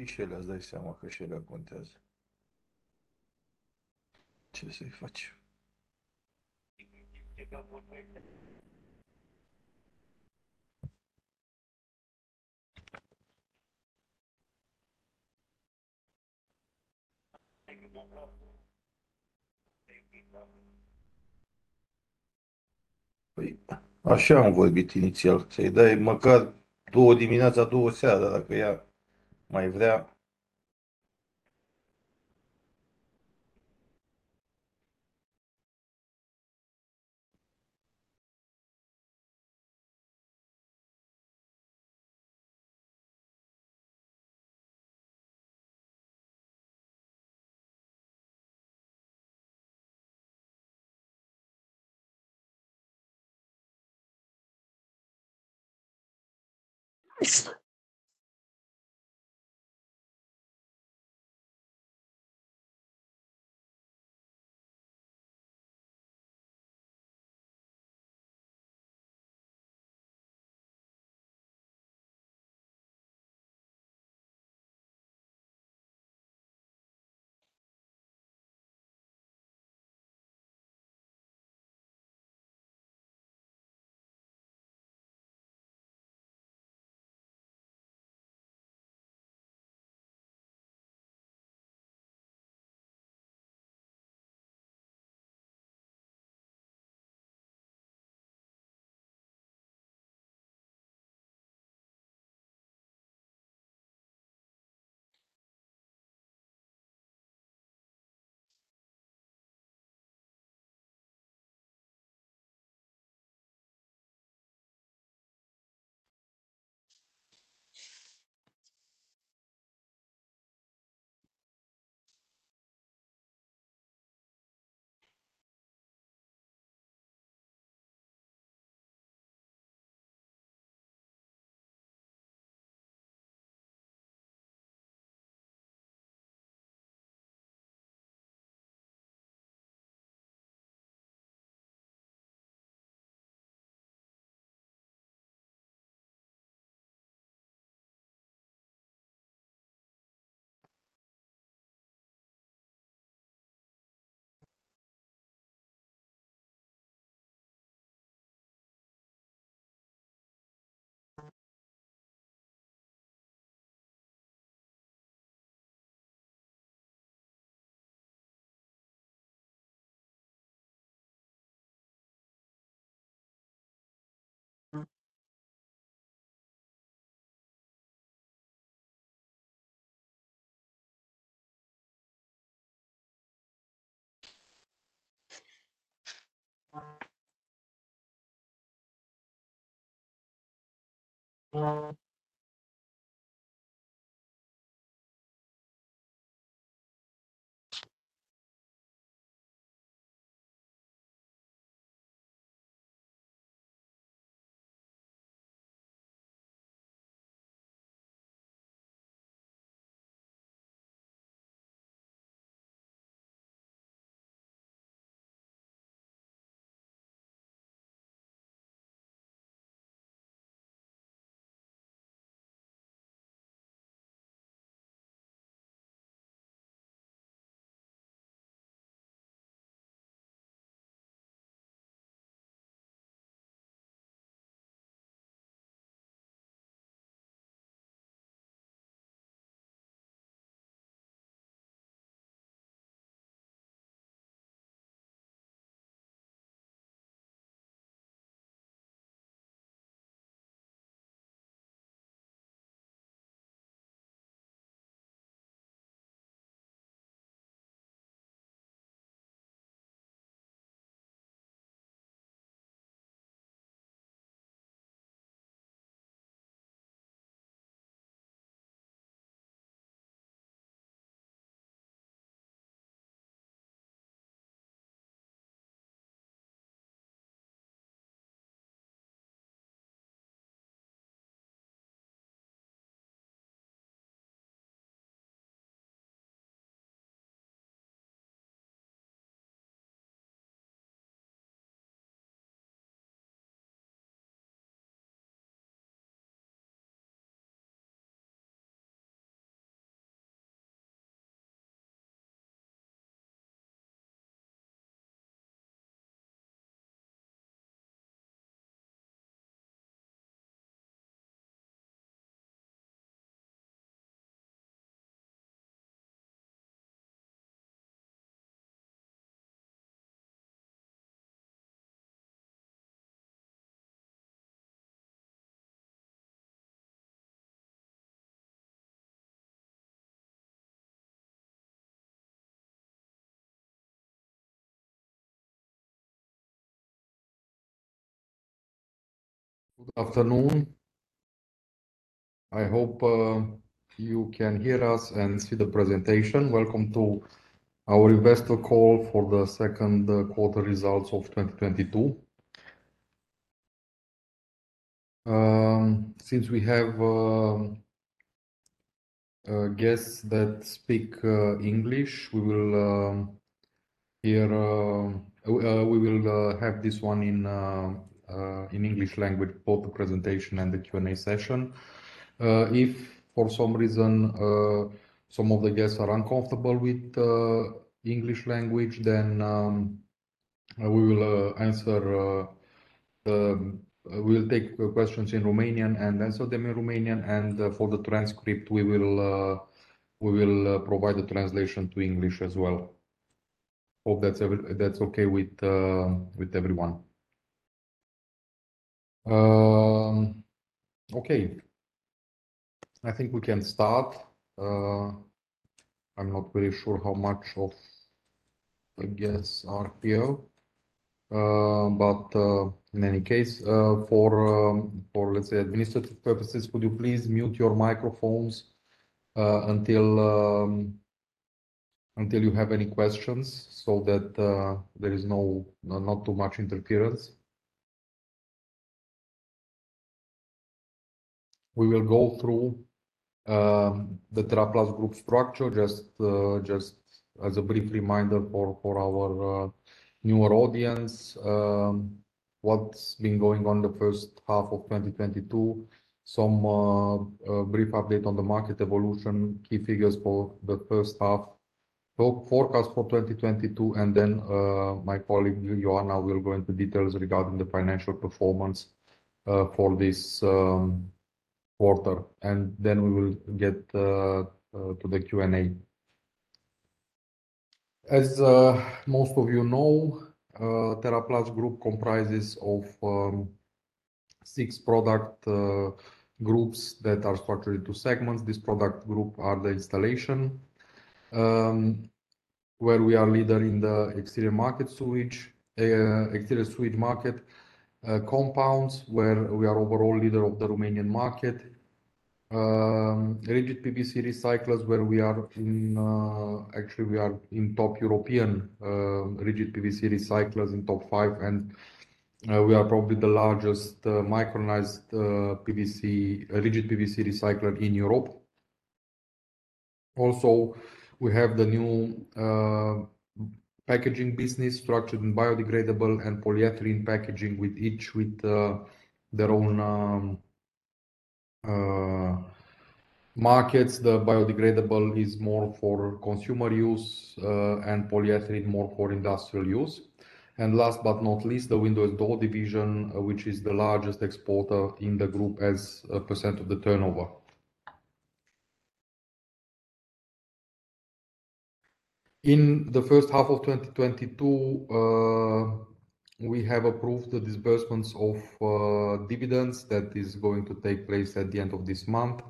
O fișele, îți dai seama că și ălea contează. Ce să-i faci? Păi așa am vorbit inițial. Să-i dai măcar două dimineața, două seara, dacă ea mai vrea. Good afternoon. I hope you can hear us and see the presentation. Welcome to our investor call for the second quarter results of 2022. Since we have guests that speak English, we will have this one in English language, both the presentation and the Q&A session. If for some reason some of the guests are uncomfortable with the English language, then we will take questions in Romanian and answer them in Romanian. For the transcript, we will provide the translation to English as well. Hope that's okay with everyone. Okay. I think we can start. I'm not very sure how much of the guests are here. In any case, for let's say administrative purposes, could you please mute your microphones until you have any questions so that there is not too much interference? We will go through the Teraplast Group structure just as a brief reminder for our newer audience. What's been going on the first half of 2022. Some brief update on the market evolution, key figures for the first half. Forecast for 2022, my colleague, Ioana, will go into details regarding the financial performance for this quarter. We will get to the Q&A. As most of you know, Teraplast Group comprises of six product groups that are structured into segments. These product group are the installation, where we are leader in the exterior market sewage, exterior sewage market. Compounds, where we are overall leader of the Romanian market. Rigid PVC recyclers, where we are actually in top European rigid PVC recyclers in top five, and we are probably the largest micronized PVC, rigid PVC recycler in Europe. Also, we have the new packaging business structured in biodegradable and polyethylene packaging with each their own markets. The biodegradable is more for consumer use, and polyethylene more for industrial use. Last but not least, the windows door division, which is the largest exporter in the group as a percent of the turnover. In the first half of 2022, we have approved the disbursements of dividends that is going to take place at the end of this month.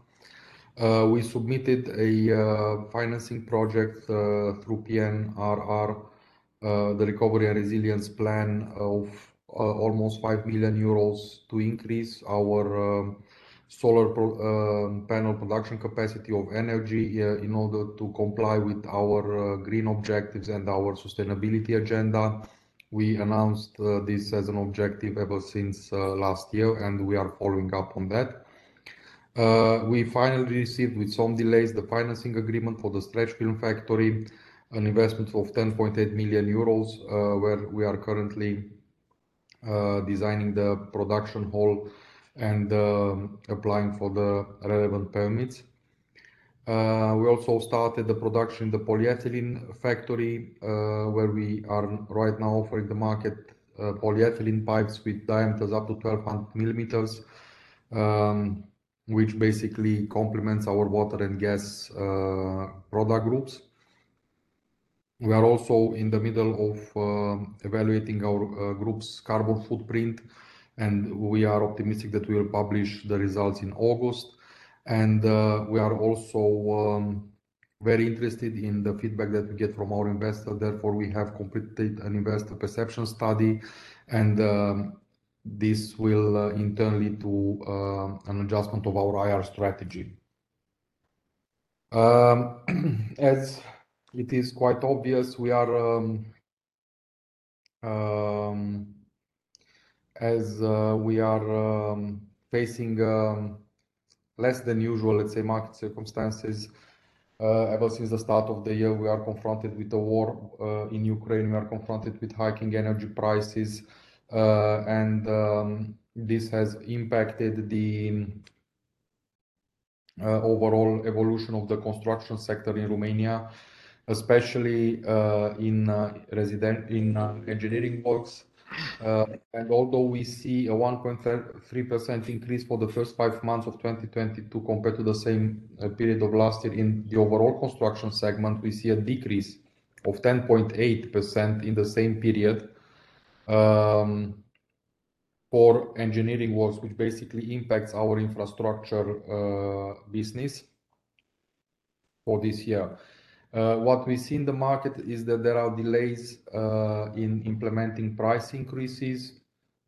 We submitted a financing project through PNRR, the Recovery and Resilience Plan of almost 5 million euros to increase our solar panel production capacity of energy, in order to comply with our green objectives and our sustainability agenda. We announced this as an objective ever since last year, and we are following up on that. We finally received with some delays the financing agreement for the stretch film factory, an investment of 10.8 million euros, where we are currently designing the production hall and applying for the relevant permits. We also started the production in the polyethylene factory, where we are right now offering the market, polyethylene pipes with diameters up to 1,200 millimeters, which basically complements our water and gas product groups. We are also in the middle of evaluating our group's carbon footprint, and we are optimistic that we will publish the results in August. We are also very interested in the feedback that we get from our investors. Therefore, we have completed an investor perception study and, this will, in turn lead to, an adjustment of our IR strategy. As it is quite obvious, we are facing less than usual, let's say, market circumstances. Ever since the start of the year, we are confronted with the war in Ukraine. We are confronted with hiking energy prices. This has impacted the overall evolution of the construction sector in Romania, especially in engineering works. Although we see a 1.3% increase for the first five months of 2022 compared to the same period of last year in the overall construction segment, we see a decrease of 10.8% in the same period for engineering works, which basically impacts our infrastructure business for this year. What we see in the market is that there are delays in implementing price increases.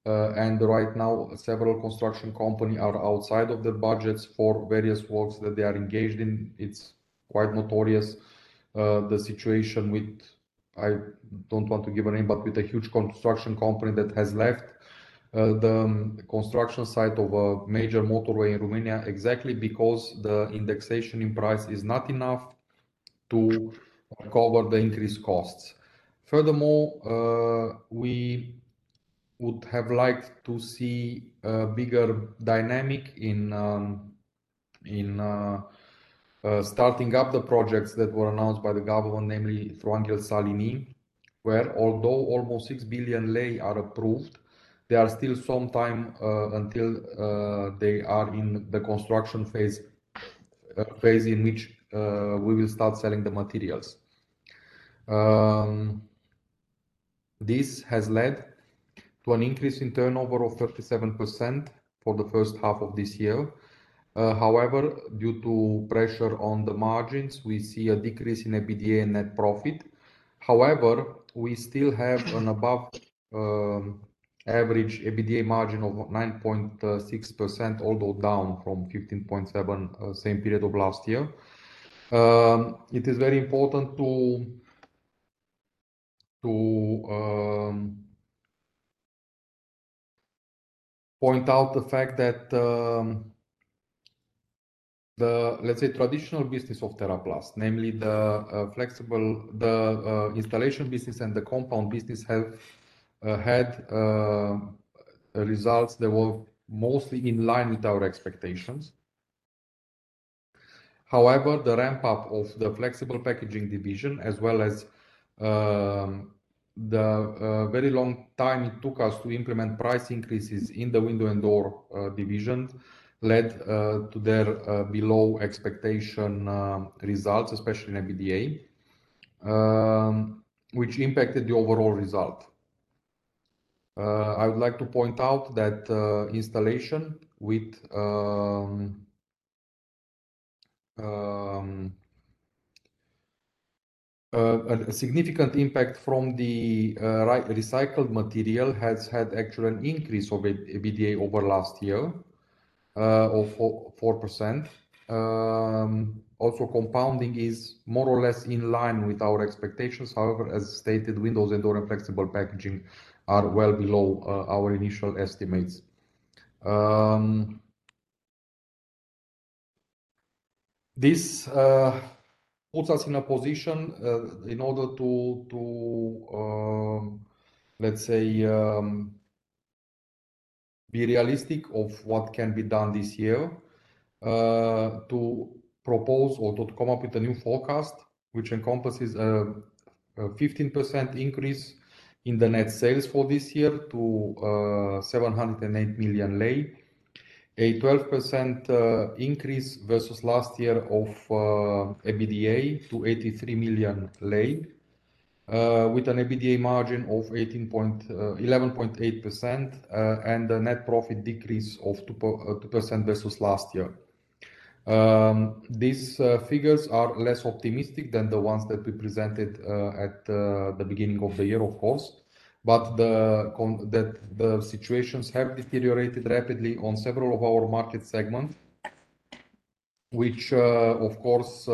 Right now, several construction companies are outside of their budgets for various works that they are engaged in. It's quite notorious, the situation with, I don't want to give a name, but with a huge construction company that has left the construction site of a major motorway in Romania exactly because the indexation in price is not enough to cover the increased costs. Furthermore, we would have liked to see a bigger dynamic in starting up the projects that were announced by the government, namely through Anghel Saligny, where although almost RON 6 billion are approved, there are still some time until they are in the construction phase in which we will start selling the materials. This has led to an increase in turnover of 37% for the first half of this year. However, due to pressure on the margins, we see a decrease in EBITDA and net profit. However, we still have an above average EBITDA margin of 9.6%, although down from 15.7% same period of last year. It is very important to point out the fact that the, let's say traditional business of Teraplast, namely the installation business and the compound business have had results that were mostly in line with our expectations. However, the ramp up of the flexible packaging division as well as the very long time it took us to implement price increases in the window and door divisions led to their below expectation results, especially in EBITDA, which impacted the overall result. I would like to point out that, installation with a significant impact from the recycled material has had actually an increase of EBITDA over last year, of 4%. Also compounding is more or less in line with our expectations. However, as stated, windows and door and flexible packaging are well below our initial estimates. This puts us in a position in order to let's say be realistic of what can be done this year to propose or to come up with a new forecast, which encompasses a 15% increase in the net sales for this year to RON 708 million. A 12% increase versus last year of EBITDA to RON 83 million with an EBITDA margin of 18 point... 11.8%, and a net profit decrease of 2% versus last year. These figures are less optimistic than the ones that we presented at the beginning of the year, of course, but that the situations have deteriorated rapidly on several of our market segments, which, of course,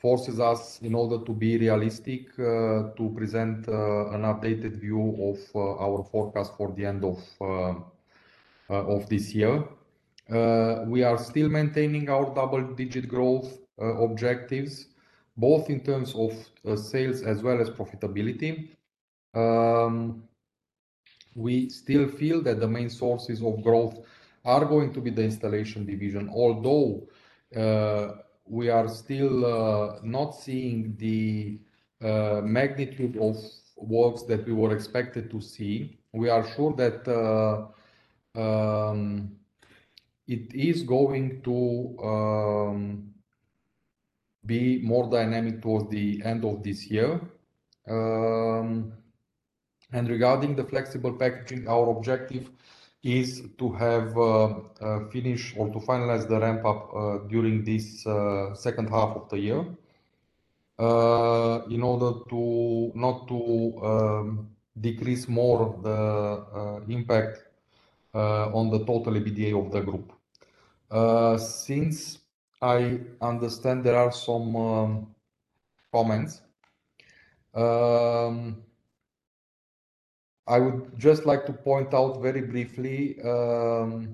forces us in order to be realistic, to present an updated view of our forecast for the end of this year. We are still maintaining our double-digit growth objectives, both in terms of sales as well as profitability. We still feel that the main sources of growth are going to be the installation division. Although we are still not seeing the magnitude of works that we were expected to see, we are sure that it is going to be more dynamic towards the end of this year. Regarding the flexible packaging, our objective is to have finish or to finalize the ramp-up during this second half of the year, in order to not decrease more the impact on the total EBITDA of the group. Since I understand there are some comments, I would just like to point out very briefly to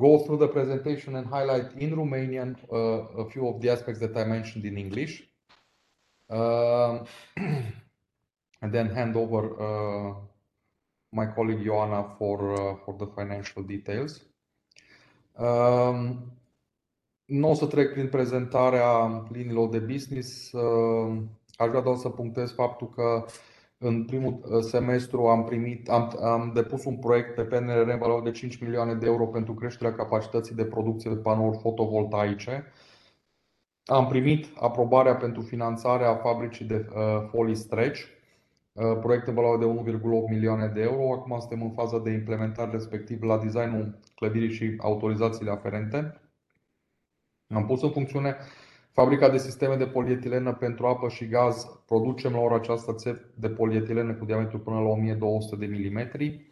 go through the presentation and highlight in Romanian a few of the aspects that I mentioned in English. Then hand over my colleague Ioana for the financial details. Nu o să trec prin prezentarea liniilor de business. Aș vrea doar să punctez faptul că în primul semestru am depus un proiect pe PNRR în valoare de 5 million euro pentru creșterea capacității de producție de panouri fotovoltaice. Am primit aprobarea pentru finanțarea fabricii de folii stretch, proiect în valoare de 1.8 million euro. Acum suntem în fază de implementare, respectiv la design-ul clădirii și autorizațiile aferente. Am pus în funcțiune fabrica de sisteme de polietilenă pentru apă și gaz. Producem la ora aceasta țevi de polietilenă cu diametrul până la 1200 de milimetri.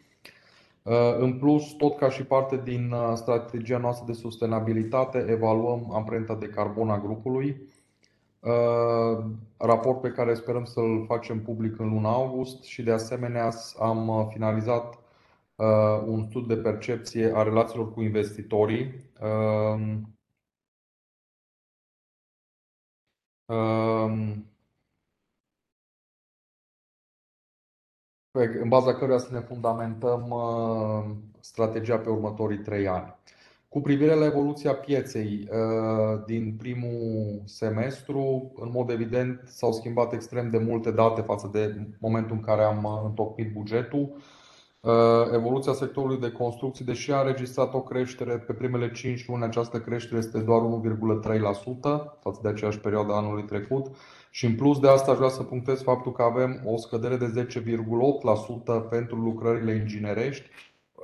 În plus, tot ca și parte din strategia noastră de sustenabilitate, evaluăm amprenta de carbon a grupului, raport pe care sperăm să îl facem public în luna august și, de asemenea, am finalizat un studiu de percepție a relațiilor cu investitorii, în baza căruia să ne fundamentăm strategia pe următorii trei ani. Cu privire la evoluția pieței, din primul semestru, în mod evident s-au schimbat extrem de multe date față de momentul în care am întocmit bugetul. Evoluția sectorului de construcții, deși a înregistrat o creștere pe primele cinci luni, această creștere este doar 1.3% față de aceeași perioadă a anului trecut și, în plus de asta, aș vrea să punctez faptul că avem o scădere de 10.8% pentru lucrările inginerești,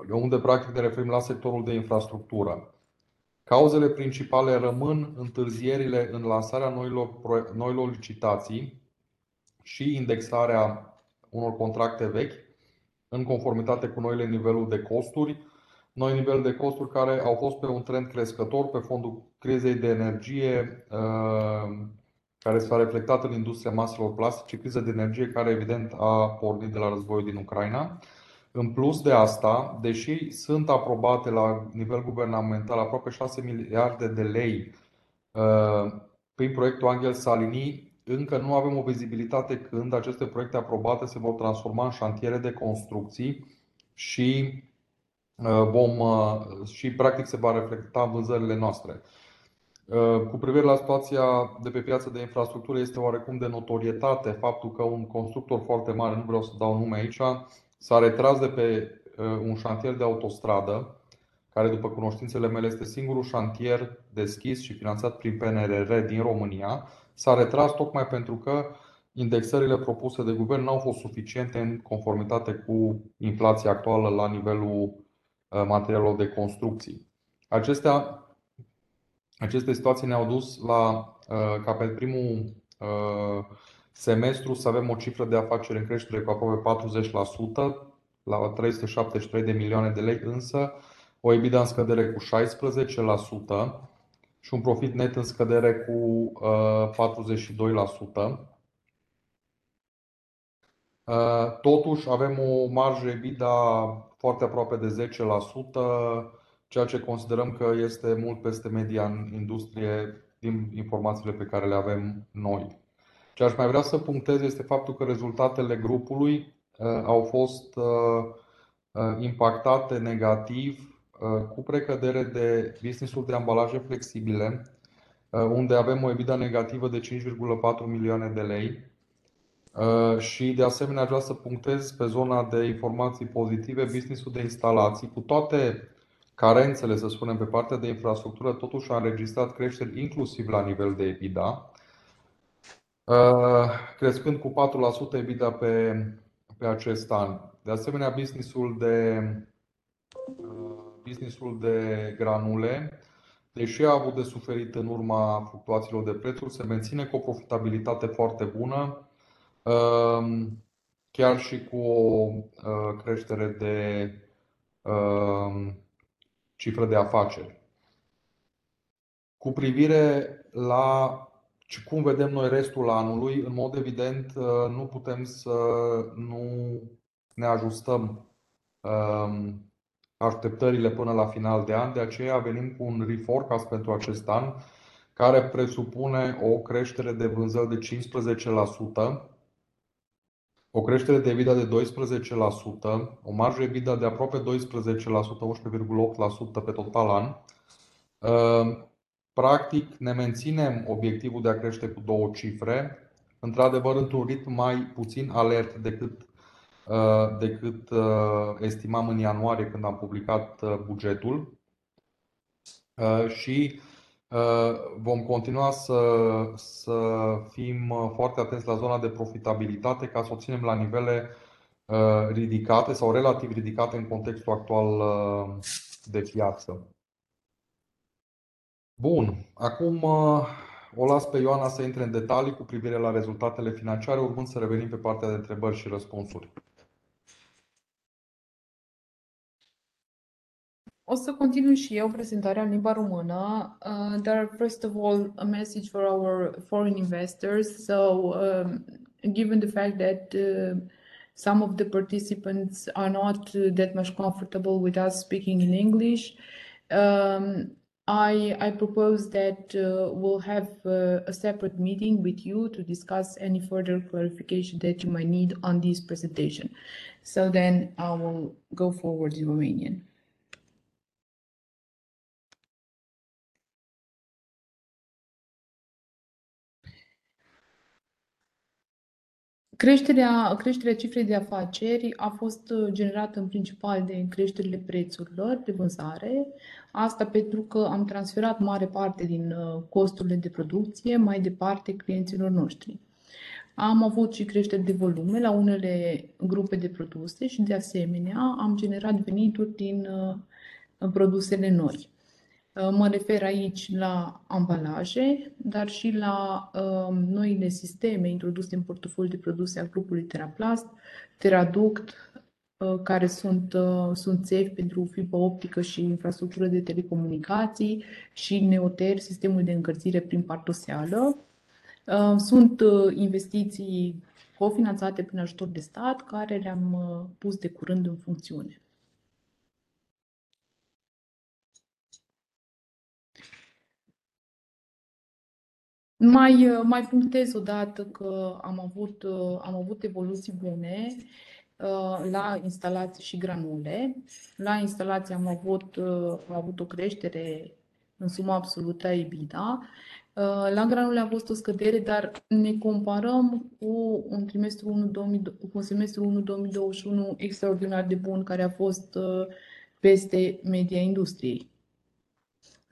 unde practic ne referim la sectorul de infrastructură. Cauzele principale rămân întârzierile în lansarea noilor licitații și indexarea unor contracte vechi, în conformitate cu noile niveluri de costuri care au fost pe un trend crescător pe fondul crizei de energie, care s-a reflectat în industria maselor plastice, criză de energie care, evident, a pornit de la războiul din Ucraina. În plus de asta, deși sunt aprobate la nivel guvernamental aproape 6 miliarde RON prin proiectul Anghel Saligny, încă nu avem o vizibilitate când aceste proiecte aprobate se vor transforma în șantiere de construcții și practic se va reflecta în vânzările noastre. Cu privire la situația de pe piața de infrastructură, este oarecum de notorietate faptul că un constructor foarte mare, nu vreau să dau nume aici, s-a retras de pe un șantier de autostradă care, după cunoștințele mele, este singurul șantier deschis și finanțat prin PNRR din România. S-a retras tocmai pentru că indexările propuse de Guvern n-au fost suficiente, în conformitate cu inflația actuală la nivelul materialelor de construcții. Aceste situații ne-au dus la ca pe primul semestru să avem o cifră de afaceri în creștere cu aproape 40%, la RON 307 million, însă o EBITDA în scădere cu 16% și un profit net în scădere cu 42%. Totuși, avem o marjă EBITDA foarte aproape de 10%, ceea ce considerăm că este mult peste media în industrie, din informațiile pe care le avem noi. Ce aș mai vrea să punctez este faptul că rezultatele grupului au fost impactate negativ, cu precădere de business-ul de ambalaje flexibile, unde avem o EBITDA negativă de RON 5.4 million. Și de asemenea, aș vrea să punctez pe zona de informații pozitive business-ul de instalații. Cu toate carențele, să spunem, pe partea de infrastructură, totuși a înregistrat creșteri inclusiv la nivel de EBITDA, crescând cu 4% EBITDA pe acest an. De asemenea, business-ul de granule, deși a avut de suferit în urma fluctuațiilor de prețuri, se menține cu o profitabilitate foarte bună, chiar și cu o creștere de cifră de afaceri. Cu privire la cum vedem noi restul anului, în mod evident, nu putem să nu ne ajustăm așteptările până la final de an. De aceea venim cu un reforecast pentru acest an care presupune o creștere de vânzări de 15%, o creștere de EBITDA de 12%, o marjă EBITDA de aproape 12%, 11.8% pe total an. Practic ne menținem obiectivul de a crește cu două cifre. Într-adevăr, într-un ritm mai puțin alert decât estimam în ianuarie, când am publicat bugetul, și vom continua să fim foarte atenți la zona de profitabilitate ca să o ținem la nivele ridicate sau relativ ridicate în contextul actual de piață. Bun, acum o las pe Ioana să intre în detalii cu privire la rezultatele financiare, urmând să revenim pe partea de întrebări și răspunsuri. O să continui și eu prezentarea în limba română, dar first of all a message for our foreign investors. Given the fact that some of the participants are not that much comfortable with us speaking in English, I propose that we'll have a separate meeting with you to discuss any further clarification that you might need on this presentation. I will go forward in Romanian. Creșterea cifrei de afaceri a fost generată în principal de creșterile prețurilor de vânzare. Asta pentru că am transferat mare parte din costurile de producție mai departe clienților noștri. Am avut și creșteri de volume la unele grupe de produse și, de asemenea, am generat venituri din produsele noi. Mă refer aici la ambalaje, dar și la noile sisteme introduse în portofoliul de produse al grupului Teraplast: TeraDuct, care sunt țevi pentru fibră optică și infrastructură de telecomunicații și NeoTer, sistemul de încălzire prin pardoseală. Sunt investiții cofinanțate prin ajutor de stat, care le-am pus de curând în funcțiune. Mai punctez o dată că am avut evoluții bune la instalații și granule. La instalații am avut o creștere în suma absolută a EBITDA. La granule a fost o scădere, dar ne comparăm cu trimestrul unu 2020 cu semestrul unu 2021 extraordinar de bun, care a fost peste media industriei.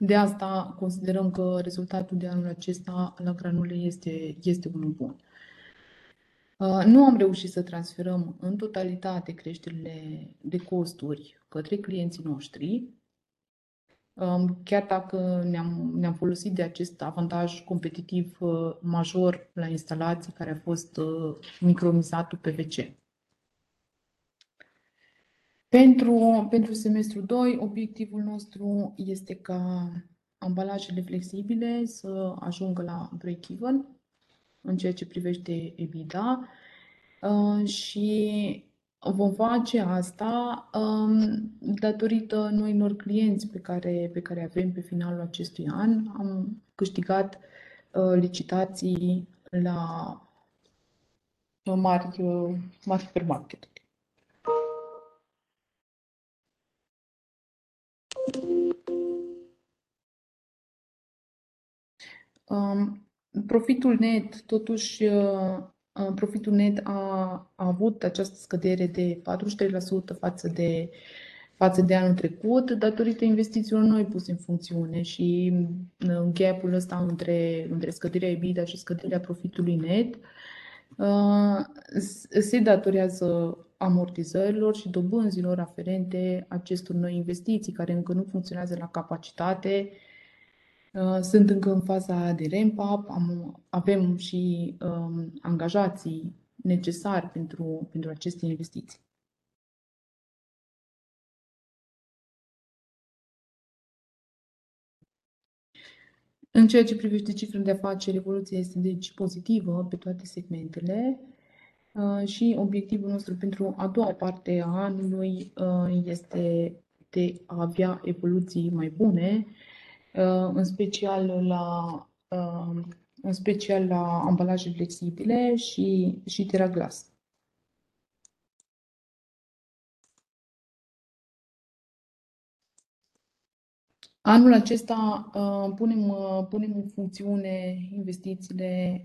De asta considerăm că rezultatul de anul acesta la granule este unul bun. Nu am reușit să transferăm în totalitate creșterile de costuri către clienții noștri, chiar dacă ne-am folosit de acest avantaj competitiv major la instalații, care a fost micronizatul PVC. Pentru semestrul doi, obiectivul nostru este ca ambalajele flexibile să ajungă la break-even în ceea ce privește EBITDA. Vom face asta datorită noilor clienți pe care îi avem pe finalul acestui an. Am câștigat licitații la mari supermarketuri. Profitul net, totuși, profitul net a avut această scădere de 43% față de anul trecut, datorită investițiilor noi puse în funcțiune și gap-ul ăsta între scăderea EBITDA și scăderea profitului net se datorează amortizărilor și dobânzilor aferente acestor noi investiții, care încă nu funcționează la capacitate. Sunt încă în faza de ramp-up. Avem și angajații necesari pentru aceste investiții. În ceea ce privește cifra de afaceri, evoluția este, deci, pozitivă pe toate segmentele și obiectivul nostru pentru a doua parte a anului este de a avea evoluții mai bune, în special la ambalaje flexibile și TeraGlass. Anul acesta punem în funcțiune investițiile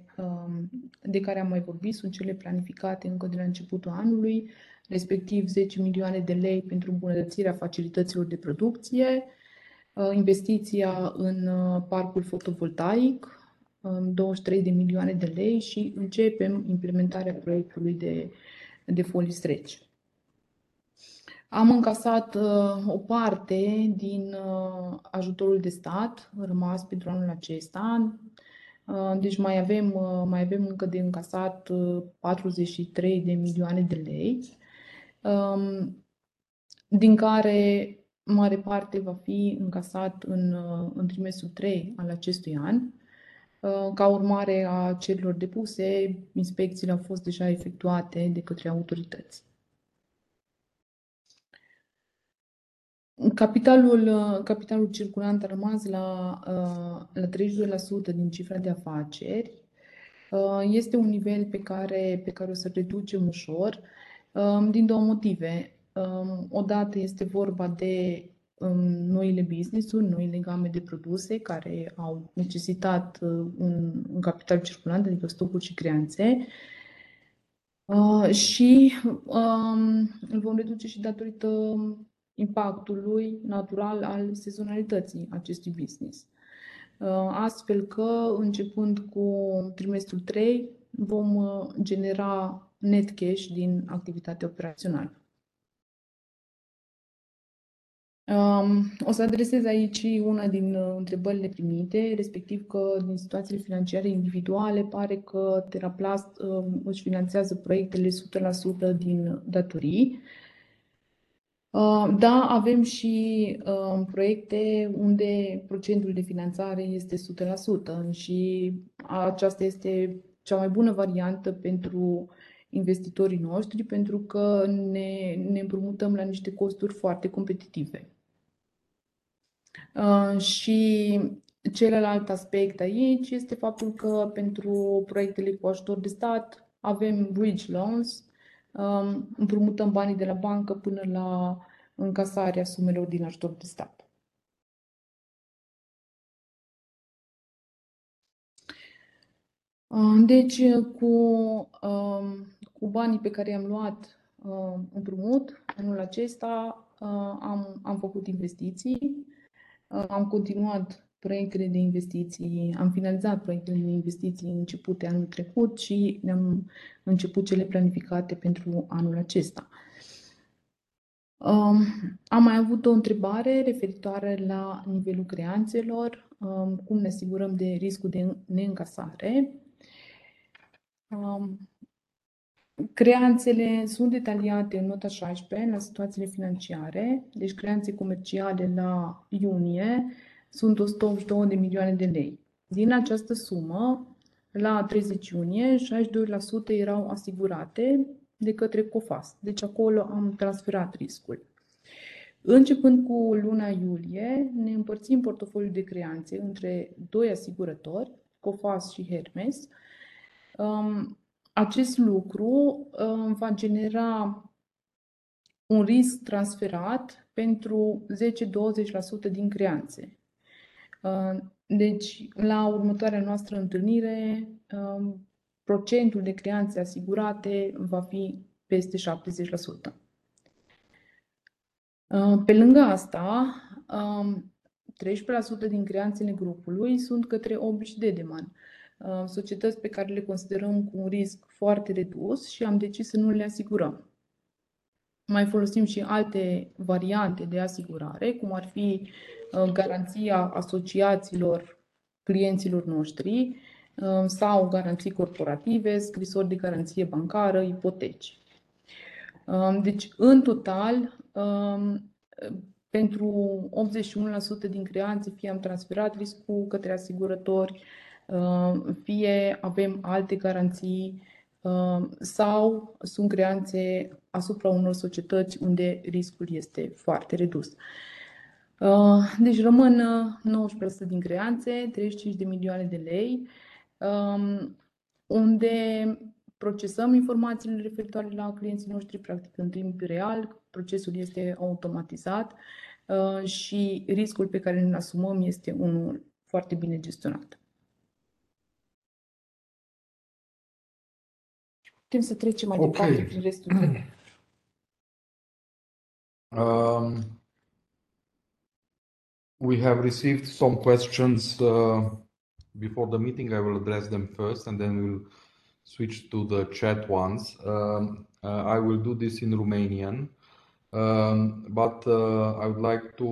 de care am mai vorbit. Sunt cele planificate încă de la începutul anului, respectiv RON 10 million pentru îmbunătățirea facilităților de producție. Investiția în parcul fotovoltaic, RON 23 million și începem implementarea proiectului de folii stretch. Am încasat o parte din ajutorul de stat rămas pentru anul acesta. Deci mai avem încă de încasat RON 43 million, din care mare parte va fi încasat în trimestrul trei al acestui an. Ca urmare a cererilor depuse, inspecțiile au fost deja efectuate de către autorități. Capitalul circulant a rămas la 32% din cifra de afaceri. Este un nivel pe care o să-l reducem ușor, din două motive. O dată este vorba de noile business-uri, noile game de produse care au necesitat un capital circulant, adică stocuri și creanțe. Îl vom reduce și datorită impactului natural al sezonalității acestui business. Astfel că, începând cu trimestrul trei vom genera net cash din activitatea operațională. O să adresez aici una din întrebările primite, respectiv că din situațiile financiare individuale pare că Teraplast își finanțează proiectele 100% din datorii. Da, avem și proiecte unde procentul de finanțare este 100% și aceasta este cea mai bună variantă pentru investitorii noștri, pentru că ne împrumutăm la niște costuri foarte competitive. Celălalt aspect aici este faptul că pentru proiectele cu ajutor de stat avem bridge loans. Împrumutăm banii de la bancă până la încasarea sumelor din ajutor de stat. Cu banii pe care i-am luat împrumut anul acesta am făcut investiții. Am continuat proiectele de investiții, am finalizat proiectele de investiții începute anul trecut și ne-am început cele planificate pentru anul acesta. Am mai avut o întrebare referitoare la nivelul creanțelor. Cum ne asigurăm de riscul de neîncasare? Creanțele sunt detaliate în nota 16 la situațiile financiare. Creanțe comerciale la iunie sunt 182 milioane de lei. Din această sumă, la 30 iunie, 62% erau asigurate de către Coface. Acolo am transferat riscul. Începând cu luna iulie ne împărțim portofoliul de creanțe între 2 asigurători, Coface și Euler Hermes. Acest lucru va genera un risc transferat pentru 10%-20% din creanțe. La următoarea noastră întâlnire, procentul de creanțe asigurate va fi peste 70%. Pe lângă asta, 13% din creanțele grupului sunt către OBI și Dedeman, societăți pe care le considerăm cu un risc foarte redus și am decis să nu le asigurăm. Mai folosim și alte variante de asigurare, cum ar fi garanția asociațiilor clienților noștri sau garanții corporative, scrisori de garanție bancară, ipoteci. În total, pentru 81% din creanțe fie am transferat riscul către asigurători, fie avem alte garanții sau sunt creanțe asupra unor societăți unde riscul este foarte redus. Rămân 19% din creanțe, 35 milioane de lei, unde procesăm informațiile referitoare la clienții noștri practic în timp real. Procesul este automatizat și riscul pe care ni-l asumăm este unul foarte bine gestionat. Putem să trecem mai departe prin restul. We have received some questions before the meeting. I will address them first and then we will switch to the chat ones. I will do this in Romanian, but I would like to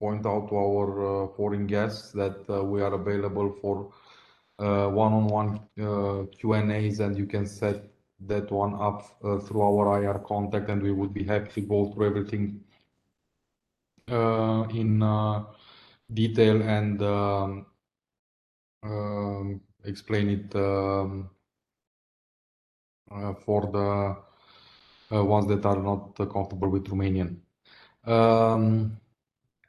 point out to our foreign guests that we are available for one on one Q&A and you can set that one up through our IR contact and we would be happy to go through everything in detail and explain it for the ones that are not comfortable with Romanian.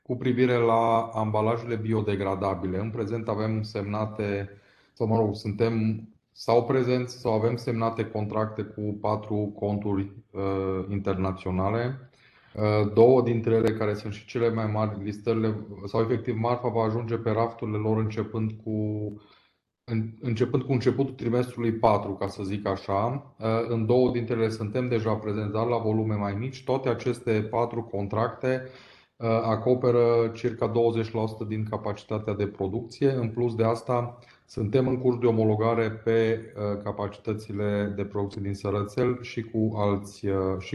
Cu privire la ambalajele biodegradabile, în prezent avem semnate sau, mă rog, suntem sau prezenți sau avem semnate contracte cu patru conturi internaționale. Două dintre ele, care sunt și cele mai mari listări. Sau efectiv marfa va ajunge pe rafturile lor începând cu începutul trimestrului patru, ca să zic așa. În două dintre ele suntem deja prezenți, dar la volume mai mici. Toate aceste 4 contracte acoperă circa 20% din capacitatea de producție. În plus de asta, suntem în curs de omologare pe capacitățile de producție din Sărățel și cu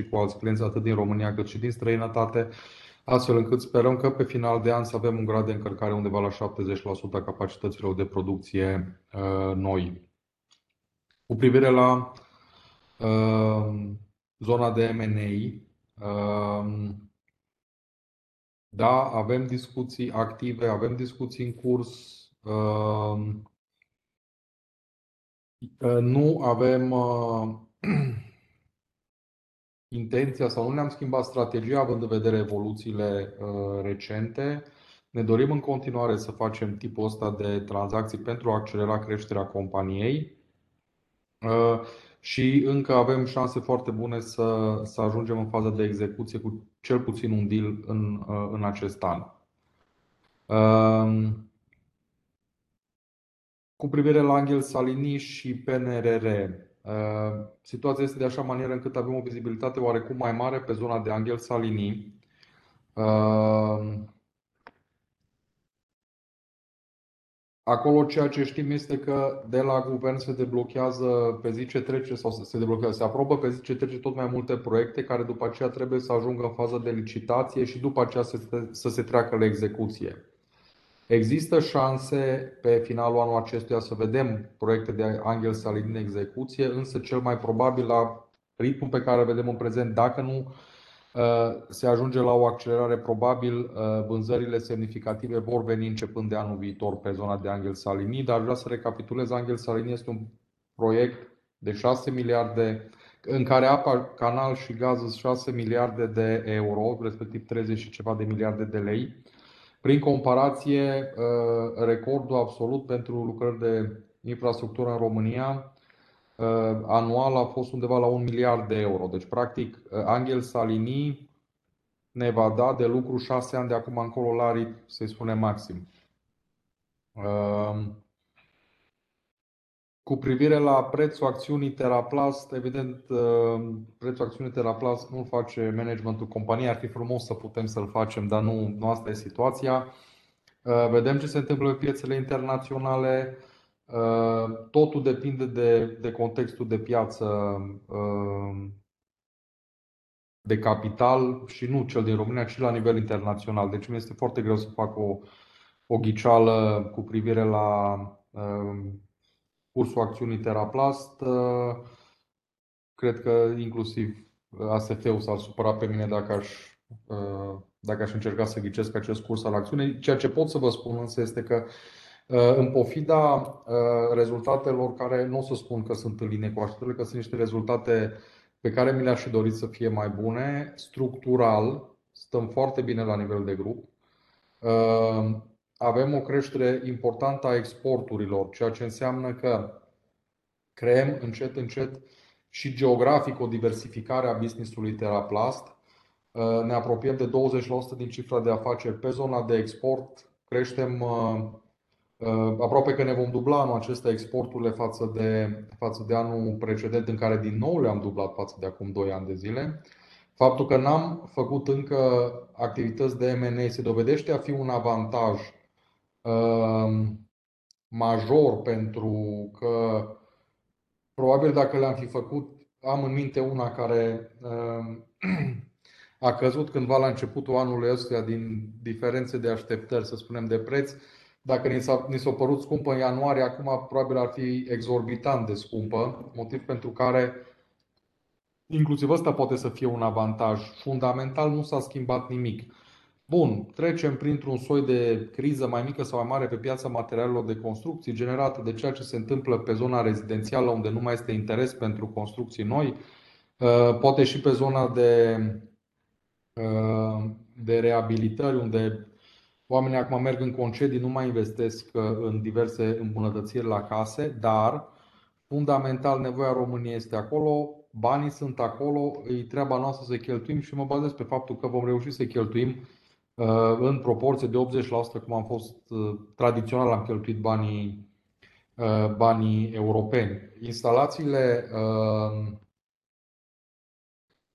alți clienți, atât din România, cât și din străinătate, astfel încât sperăm ca pe final de an să avem un grad de încărcare undeva la 70% a capacităților de producție noi. Cu privire la zona de M&A. Da, avem discuții active, avem discuții în curs. Nu avem intenția sau nu ne-am schimbat strategia având în vedere evoluțiile recente. Ne dorim în continuare să facem tipul ăsta de tranzacții pentru a accelera creșterea companiei. Încă avem șanse foarte bune să ajungem în fază de execuție cu cel puțin un deal în acest an. Cu privire la Anghel Saligny și PNRR, situația este de așa manieră încât avem o vizibilitate oarecum mai mare pe zona de Anghel Saligny. Acolo, ceea ce știm este că de la Guvern se deblochează pe zi ce trece sau se deblochează, se aprobă pe zi ce trece tot mai multe proiecte care după aceea trebuie să ajungă în fază de licitație și după aceea să se treacă la execuție. Există șanse pe finalul anului acestuia să vedem proiecte de Anghel Saligny în execuție, însă cel mai probabil la ritmul pe care îl vedem în prezent, dacă nu se ajunge la o accelerare, probabil vânzările semnificative vor veni începând de anul viitor pe zona de Anghel Saligny. Aș vrea să recapitulez. Anghel Saligny este un proiect de 6 miliarde în care apa, canal și gaz sunt 6 miliarde, respectiv RON 30 și ceva miliarde. Prin comparație, recordul absolut pentru lucrări de infrastructură în România anual a fost undeva la EUR 1 billion. Practic Anghel Saligny ne va da de lucru six years de acum încolo la ritm, să-i spunem maxim. Cu privire la prețul acțiunii Teraplast, evident, prețul acțiunii Teraplast nu-l face managementul companiei. Ar fi frumos să putem să-l facem, dar nu asta e situația. Vedem ce se întâmplă pe piețele internaționale. Totul depinde de contextul de piață, de capital și nu cel din România, ci la nivel internațional. Îmi este foarte greu să fac o ghiceală cu privire la cursul acțiunii Teraplast. Cred că inclusiv ASF-ul s-ar supăra pe mine dacă aș încerca să ghicesc acest curs al acțiunii. Ceea ce pot să vă spun, însă, este că, în pofida rezultatelor care nu o să spun că sunt în linie cu așteptările, că sunt niște rezultate pe care mi le-aș fi dorit să fie mai bune, structural stăm foarte bine la nivel de grup. Avem o creștere importantă a exporturilor, ceea ce înseamnă că creăm încet-încet și geografic o diversificare a business-ului Teraplast. Ne apropiem de 20% din cifra de afaceri pe zona de export, creștem aproape că ne vom dubla anul acesta exporturile față de anul precedent, în care din nou le-am dublat față de acum 2 ani de zile. Faptul că n-am făcut încă activități de M&A se dovedește a fi un avantaj major, pentru că probabil dacă le-am fi făcut, am în minte una care a căzut cândva la începutul anului ăstuia din diferențe de așteptări, să spunem, de preț. Dacă ni s-a părut scumpă în ianuarie, acum probabil ar fi exorbitant de scumpă, motiv pentru care inclusiv asta poate să fie un avantaj. Fundamental nu s-a schimbat nimic. Bun, trecem printr-un soi de criză mai mică sau mai mare pe piața materialelor de construcții, generată de ceea ce se întâmplă pe zona rezidențială, unde nu mai este interes pentru construcții noi. Poate și pe zona de reabilitări, unde oamenii acum merg în concedii, nu mai investesc în diverse îmbunătățiri la case. Dar fundamental nevoia României este acolo. Banii sunt acolo, e treaba noastră să-i cheltuim și mă bazez pe faptul că vom reuși să-i cheltuim în proporție de 80%, cum am fost tradițional am cheltuit banii europeni. Instalațiile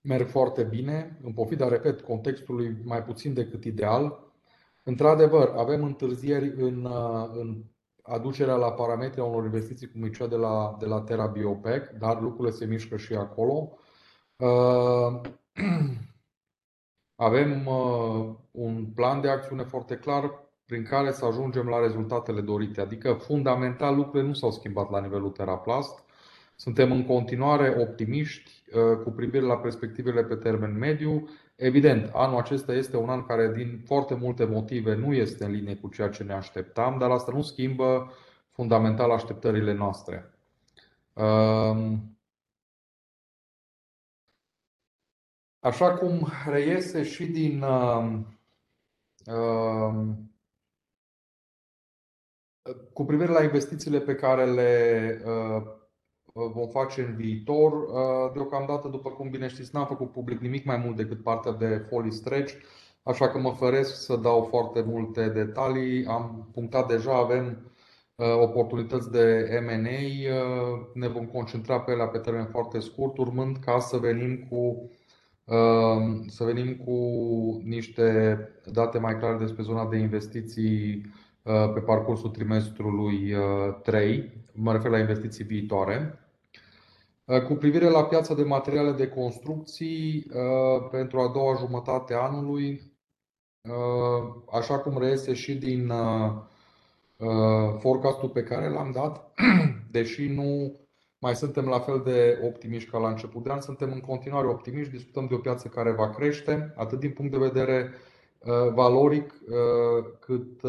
merg foarte bine, în pofida, repet, contextului mai puțin decât ideal. Într-adevăr, avem întârzieri în aducerea la parametri a unor investiții, cum e cea de la TeraBio Pack, dar lucrurile se mișcă și acolo. Avem un plan de acțiune foarte clar prin care să ajungem la rezultatele dorite. Adică, fundamental lucrurile nu s-au schimbat la nivelul Teraplast. Suntem în continuare optimiști cu privire la perspectivele pe termen mediu. Evident, anul acesta este un an care, din foarte multe motive, nu este în linie cu ceea ce ne așteptam, dar asta nu schimbă fundamental așteptările noastre. Așa cum reiese și din cu privire la investițiile pe care le vom face în viitor, deocamdată, după cum bine știți, n-am făcut public nimic mai mult decât partea de folii stretch, așa că mă feresc să dau foarte multe detalii. Am punctat deja. Avem oportunități de M&A. Ne vom concentra pe ele pe termen foarte scurt, urmând ca să venim cu niște date mai clare despre zona de investiții pe parcursul trimestrului trei. Mă refer la investiții viitoare. Cu privire la piața de materiale de construcții pentru a doua jumătate a anului, așa cum reiese și din forecast-ul pe care l-am dat, deși nu mai suntem la fel de optimiști ca la început de an, suntem în continuare optimiști. Discutăm de o piață care va crește atât din punct de vedere valoric, cât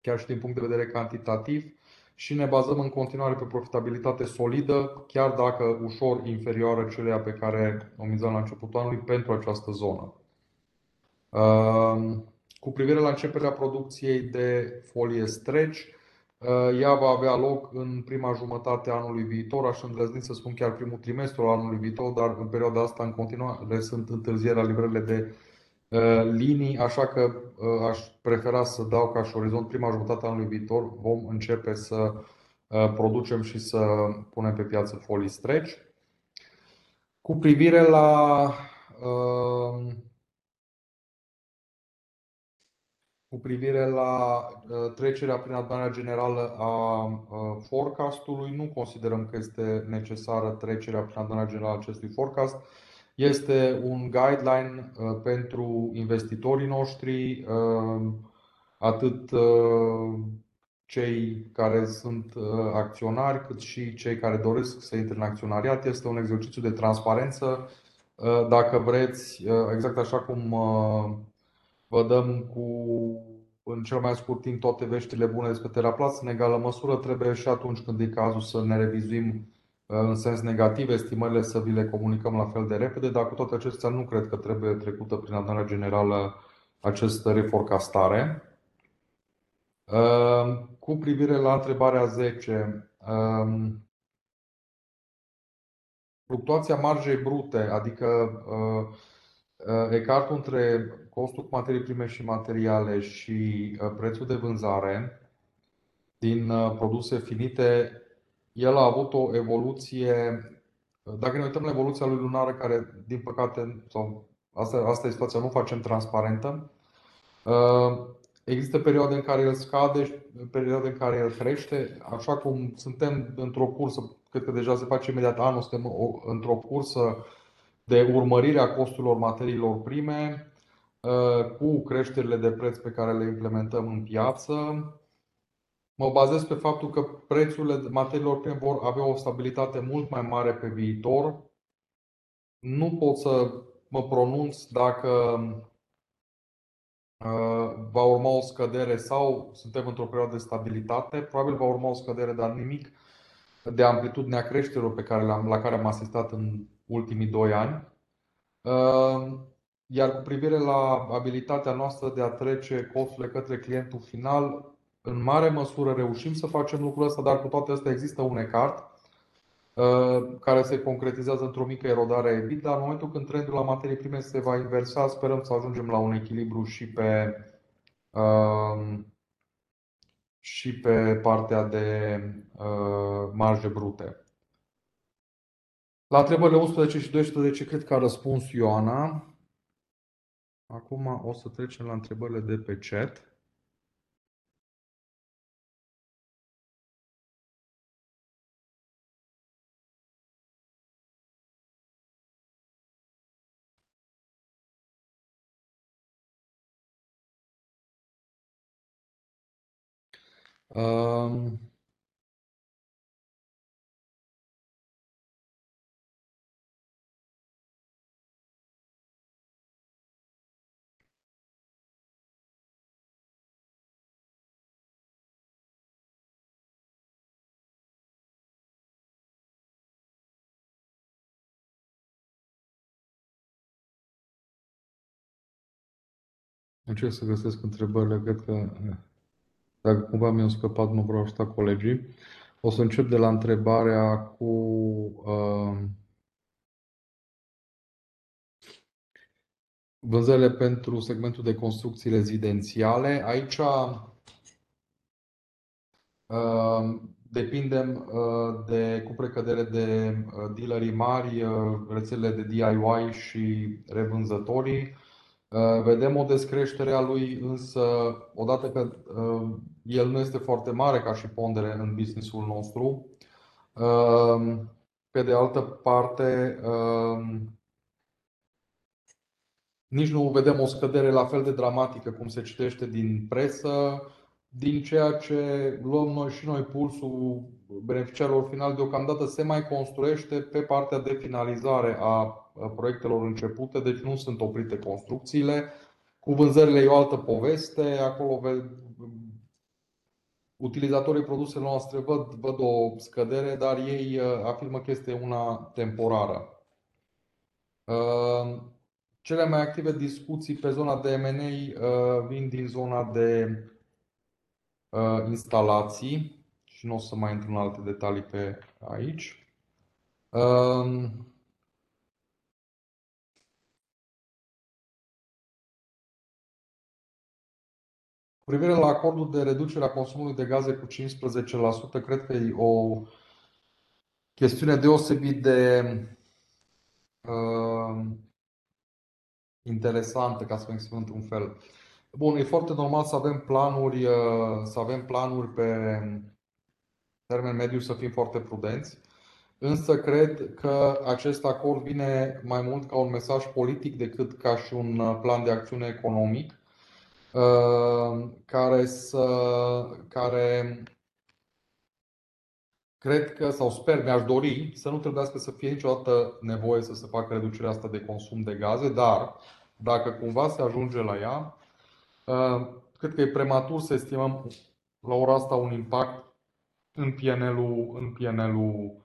chiar și din punct de vedere cantitativ și ne bazăm în continuare pe o profitabilitate solidă, chiar dacă ușor inferioară celei pe care o vizam la începutul anului pentru această zonă. Cu privire la începerea producției de folie stretch, ea va avea loc în prima jumătate a anului viitor. Aș îndrăzni să spun chiar primul trimestru al anului viitor, dar în perioada asta în continuare sunt întârzieri la livrările de linii, așa că aș prefera să dau ca și orizont prima jumătate a anului viitor vom începe să producem și să punem pe piață folii stretch. Cu privire la trecerea prin Adunarea Generală a forecast-ului, nu considerăm că este necesară trecerea prin Adunarea Generală a acestui forecast. Este un guideline pentru investitorii noștri, atât cei care sunt acționari, cât și cei care doresc să intre în acționariat. Este un exercițiu de transparență, dacă vreți, exact așa cum vă dăm în cel mai scurt timp toate veștile bune despre Teraplast. În egală măsură, trebuie și atunci când e cazul să ne revizuim în sens negativ estimările, să vi le comunicăm la fel de repede. Cu toate acestea, nu cred că trebuie trecută prin Adunarea Generală acest reforecastare. Cu privire la întrebarea 10. Fluctuația marjei brute, adică ecartul între costul materiilor prime și materiale și prețul de vânzare din produse finite. El a avut o evoluție. Dacă ne uităm la evoluția lui lunară, care din păcate sau asta e situația, nu o facem transparentă. Există perioade în care el scade și perioade în care el crește, așa cum suntem într-o cursă. Cred că deja se face imediat anul. Suntem într-o cursă de urmărire a costurilor materiilor prime cu creșterile de preț pe care le implementăm în piață. Mă bazez pe faptul că prețurile materiilor prime vor avea o stabilitate mult mai mare pe viitor. Nu pot să mă pronunț dacă va urma o scădere sau suntem într-o perioadă de stabilitate. Probabil va urma o scădere, dar nimic de amplitudinea creșterilor pe care le am, la care am asistat în ultimii doi ani. Cu privire la abilitatea noastră de a trece costurile către clientul final, în mare măsură reușim să facem lucrul ăsta, dar cu toate astea există un ecart care se concretizează într-o mică erodare a EBIT. În momentul când trendul la materii prime se va inversa, sperăm să ajungem la un echilibru și pe, și pe partea de marje brute. La întrebările 11 și 12 cred că a răspuns Ioana. Acum o să trecem la întrebările de pe chat. Încerc să găsesc întrebările. Cred că dacă cumva mi-au scăpat, mă vor ajuta colegii. O să încep de la întrebarea cu vânzările pentru segmentul de construcții rezidențiale. Aici depindem de cu precădere de dealerii mari, rețelele de DIY și revânzătorii. Vedem o descreștere a lui, însă odată că el nu este foarte mare ca și pondere în business-ul nostru. Pe de altă parte, nici nu vedem o scădere la fel de dramatică cum se citește din presă. Din ceea ce luăm noi și noi pulsul beneficiarilor finali, deocamdată se mai construiește pe partea de finalizare a proiectelor începute, deci nu sunt oprite construcțiile. Cu vânzările e o altă poveste. Acolo utilizatorii produselor noastre văd o scădere, dar ei afirmă că este una temporară. Cele mai active discuții pe zona de M&A vin din zona de instalații și nu o să mai intru în alte detalii pe aici. Cu privire la acordul de reducere a consumului de gaze cu 15%, cred că e o chestiune deosebit de interesantă, ca să mă exprim într-un fel. Bun, e foarte normal să avem planuri, să avem planuri pe termen mediu, să fim foarte prudenți. Însă cred că acest acord vine mai mult ca un mesaj politic decât ca și un plan de acțiune economic. Cred că sau sper, mi-aș dori să nu trebuiască să fie niciodată nevoie să se facă reducerea de consum de gaze, dar dacă cumva se ajunge la ea, cred că e prematur să estimăm la ora asta un impact în P&L-ul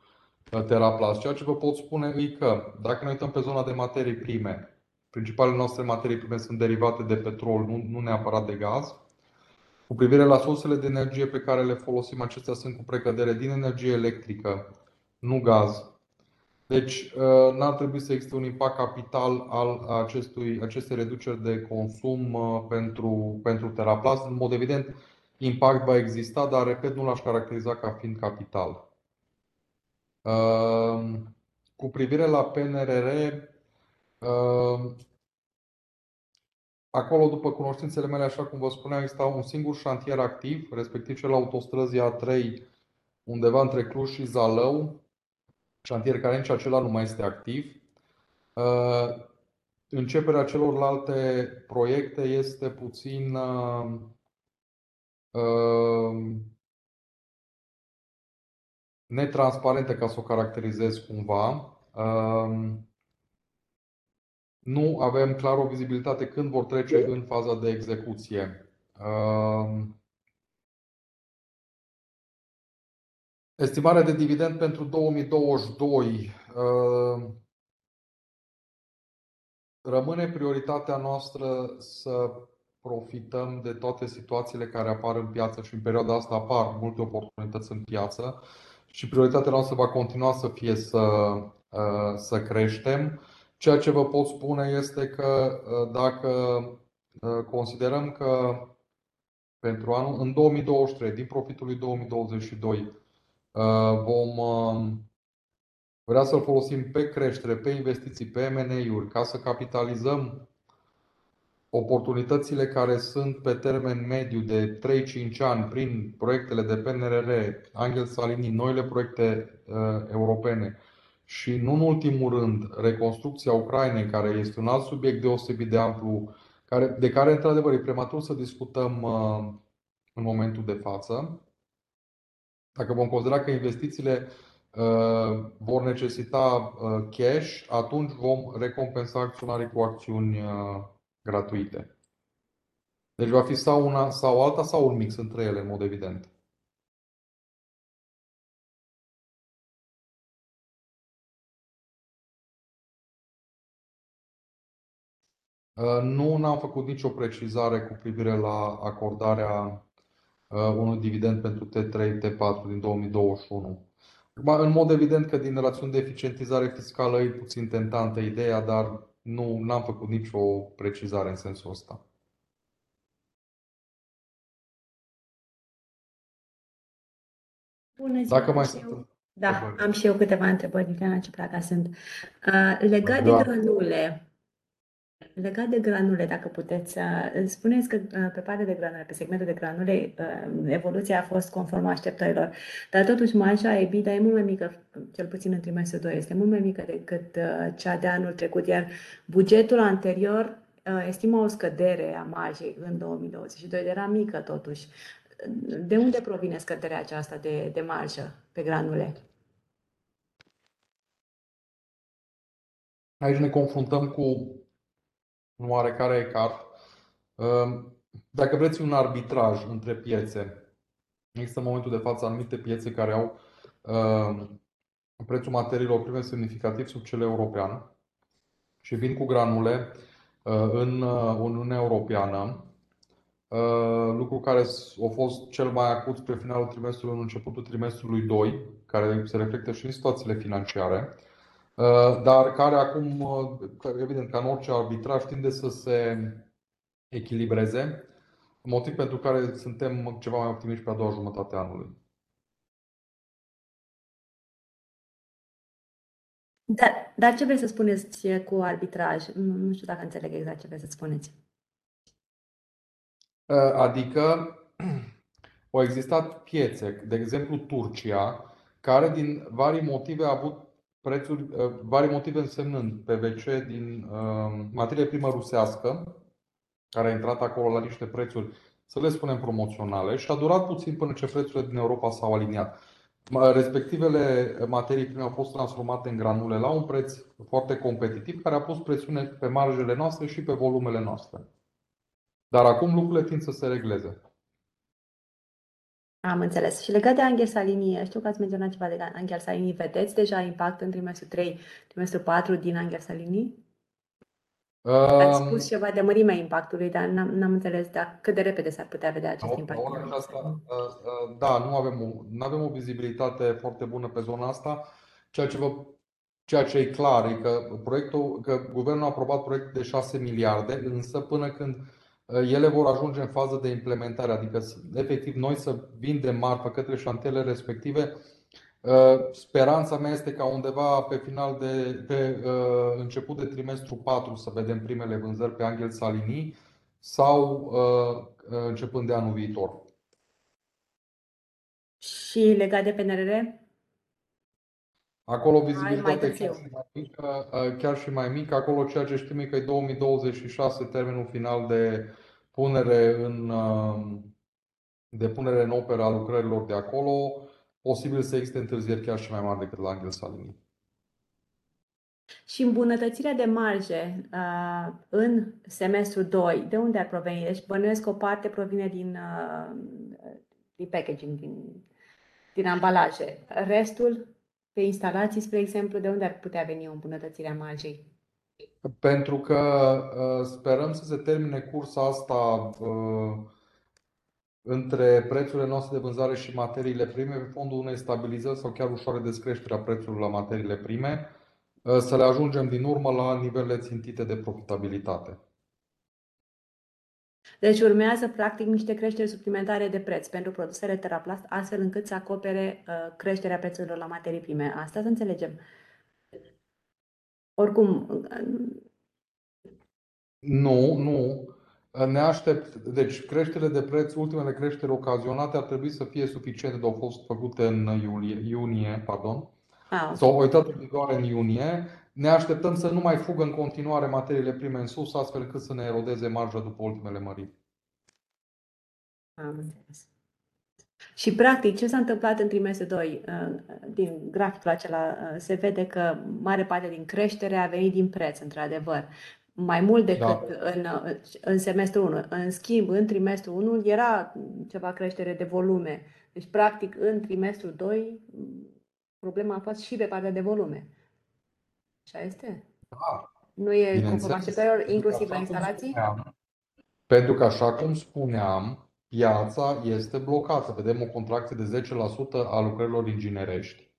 Teraplast. Ceea ce vă pot spune e că dacă ne uităm pe zona de materii prime, principalele noastre materii prime sunt derivate de petrol, nu neapărat de gaz. Cu privire la sursele de energie pe care le folosim, acestea sunt cu precădere din energie electrică, nu gaz. Deci n-ar trebui să existe un impact capital al acestor reduceri de consum pentru Teraplast. În mod evident, impact va exista, dar, repet, nu l-aș caracteriza ca fiind capital. Cu privire la PNRR. Acolo, după cunoștințele mele, așa cum vă spuneam, există un singur șantier activ, respectiv cel Autostrăzi A3, undeva între Cluj și Zalău. Șantier care în cazul acela nu mai este activ. Începerea celorlalte proiecte este puțin netransparentă, ca s-o caracterizez cumva. Nu avem clar o vizibilitate când vor trece în faza de execuție. Estimarea de dividend pentru 2022. Rămâne prioritatea noastră să profităm de toate situațiile care apar în piață și în perioada asta apar multe oportunități în piață și prioritatea noastră va continua să fie să creștem. Ceea ce vă pot spune este că dacă considerăm că pentru anul în 2023, din profitul lui 2022, vom vrea să îl folosim pe creștere, pe investiții, pe M&A-uri ca să capitalizăm oportunitățile care sunt pe termen mediu de 3-5 ani prin proiectele de PNRR, Anghel Saligny, noile proiecte europene și nu în ultimul rând reconstrucția Ucrainei, care este un subiect deosebit de amplu, de care într-adevăr e prematur să discutăm în momentul de față. Dacă vom considera că investițiile vor necesita cash, atunci vom recompensa acționarii cu acțiuni gratuite. Deci va fi sau una sau alta sau un mix între ele, în mod evident. Nu, n-am făcut nicio precizare cu privire la acordarea unui dividend pentru T3-T4 din 2021. În mod evident că din rațiuni de eficientizare fiscală e puțin tentantă ideea, dar nu, n-am făcut nicio precizare în sensul ăsta. Bună ziua. Dacă mai sunt- Da, am și eu câteva întrebări. Diana Cipra sunt. Legat de granule, dacă puteți, îmi spuneți că pe partea de granule, pe segmentul de granule, evoluția a fost conform așteptărilor. Dar totuși marja EBITDA e mult mai mică, cel puțin în trimestrul doi este mult mai mică decât cea de anul trecut, iar bugetul anterior estima o scădere a marjei în 2022. Era mică totuși. De unde provine scăderea aceasta de marjă pe granule? Aici ne confruntăm cu un oarecare ecart. Dacă vreți un arbitraj între piețe, există în momentul de față anumite piețe care au prețul materiilor prime semnificativ sub cele europene și vin cu granule în Uniunea Europeană, lucru care a fost cel mai acut spre finalul trimestrului unu, începutul trimestrului doi, care se reflectă și în situațiile financiare, dar care acum, evident, ca în orice arbitraj, tinde să se echilibreze, motiv pentru care suntem ceva mai optimiști pe a doua jumătate a anului. Da, dar ce vreți să spuneți cu arbitraj? Nu știu dacă înțeleg exact ce vreți să spuneți. Adică au existat piețe, de exemplu Turcia, care din diverse motive a avut prețuri, diverse motive însemnând PVC din materie primă rusească, care a intrat acolo la niște prețuri, să le spunem promoționale și a durat puțin până ce prețurile din Europa s-au aliniat. Respectivele materii prime au fost transformate în granule la un preț foarte competitiv, care a pus presiune pe marjele noastre și pe volumele noastre. Acum lucrurile tind să se regleze. Am înțeles. Legat de Anghel Saligny. Știu că ați menționat ceva de Anghel Saligny. Vedeți deja impact în trimestrul trei, trimestrul patru din Anghel Saligny? Ăă... Ați spus ceva de mărimea impactului, dar n-am înțeles cât de repede s-ar putea vedea acest impact? Da, nu avem o vizibilitate foarte bună pe zona asta. Ceea ce e clar e că proiectul, că Guvernul a aprobat proiecte de RON 6 miliarde, însă până când ele vor ajunge în fază de implementare, adică efectiv noi să vindem marfă către șantierele respective, speranța mea este ca undeva pe final de început de trimestrul patru să vedem primele vânzări pe Anghel Saligny sau începând de anul viitor. Legat de PNRR? Acolo vizibilitatea e și mai mică. Chiar și mai mică acolo. Ceea ce știm e că e 2026 termenul final de punere în operă a lucrărilor de acolo. Posibil să existe întârzieri chiar și mai mari decât la Anghel Saligny. Îmbunătățirea de marjă în semestrul doi de unde ar proveni? Bănuiesc că o parte provine din packaging, din ambalaje. Restul? Pe instalații, spre exemplu, de unde ar putea veni o îmbunătățire a marjei? Pentru că sperăm să se termine cursa asta între prețurile noastre de vânzare și materiile prime, pe fondul unei stabilizări sau chiar ușoare descreșteri a prețurilor la materiile prime, să le ajungem din urmă la nivelele țintite de profitabilitate. Urmează practic niște creșteri suplimentare de preț pentru produsele Teraplast, astfel încât să acopere creșterea prețurilor la materii prime. Asta să înțelegem? Oricum. Nu. Ne așteptăm, deci creșterile de preț, ultimele creșteri ocazionate ar trebui să fie suficiente, că au fost făcute în iulie. Iunie, pardon. Au intrat în vigoare în iunie. Ne așteptăm să nu mai fugă în continuare materiile prime în sus, astfel încât să ne erodeze marja după ultimele măriri. Am înțeles. Practic ce s-a întâmplat în trimestrul doi? Din graficul acela se vede că mare parte din creștere a venit din preț. Într-adevăr mai mult decât în semestrul unu. În schimb, în trimestrul unu era ceva creștere de volume. Deci, practic în trimestrul doi problema a fost și pe partea de volume. Așa este? Da. Nu e conform așteptărilor, inclusiv la instalații? Pentru că, așa cum spuneam, piața este blocată. Vedem o contracție de 10% a lucrărilor inginerești.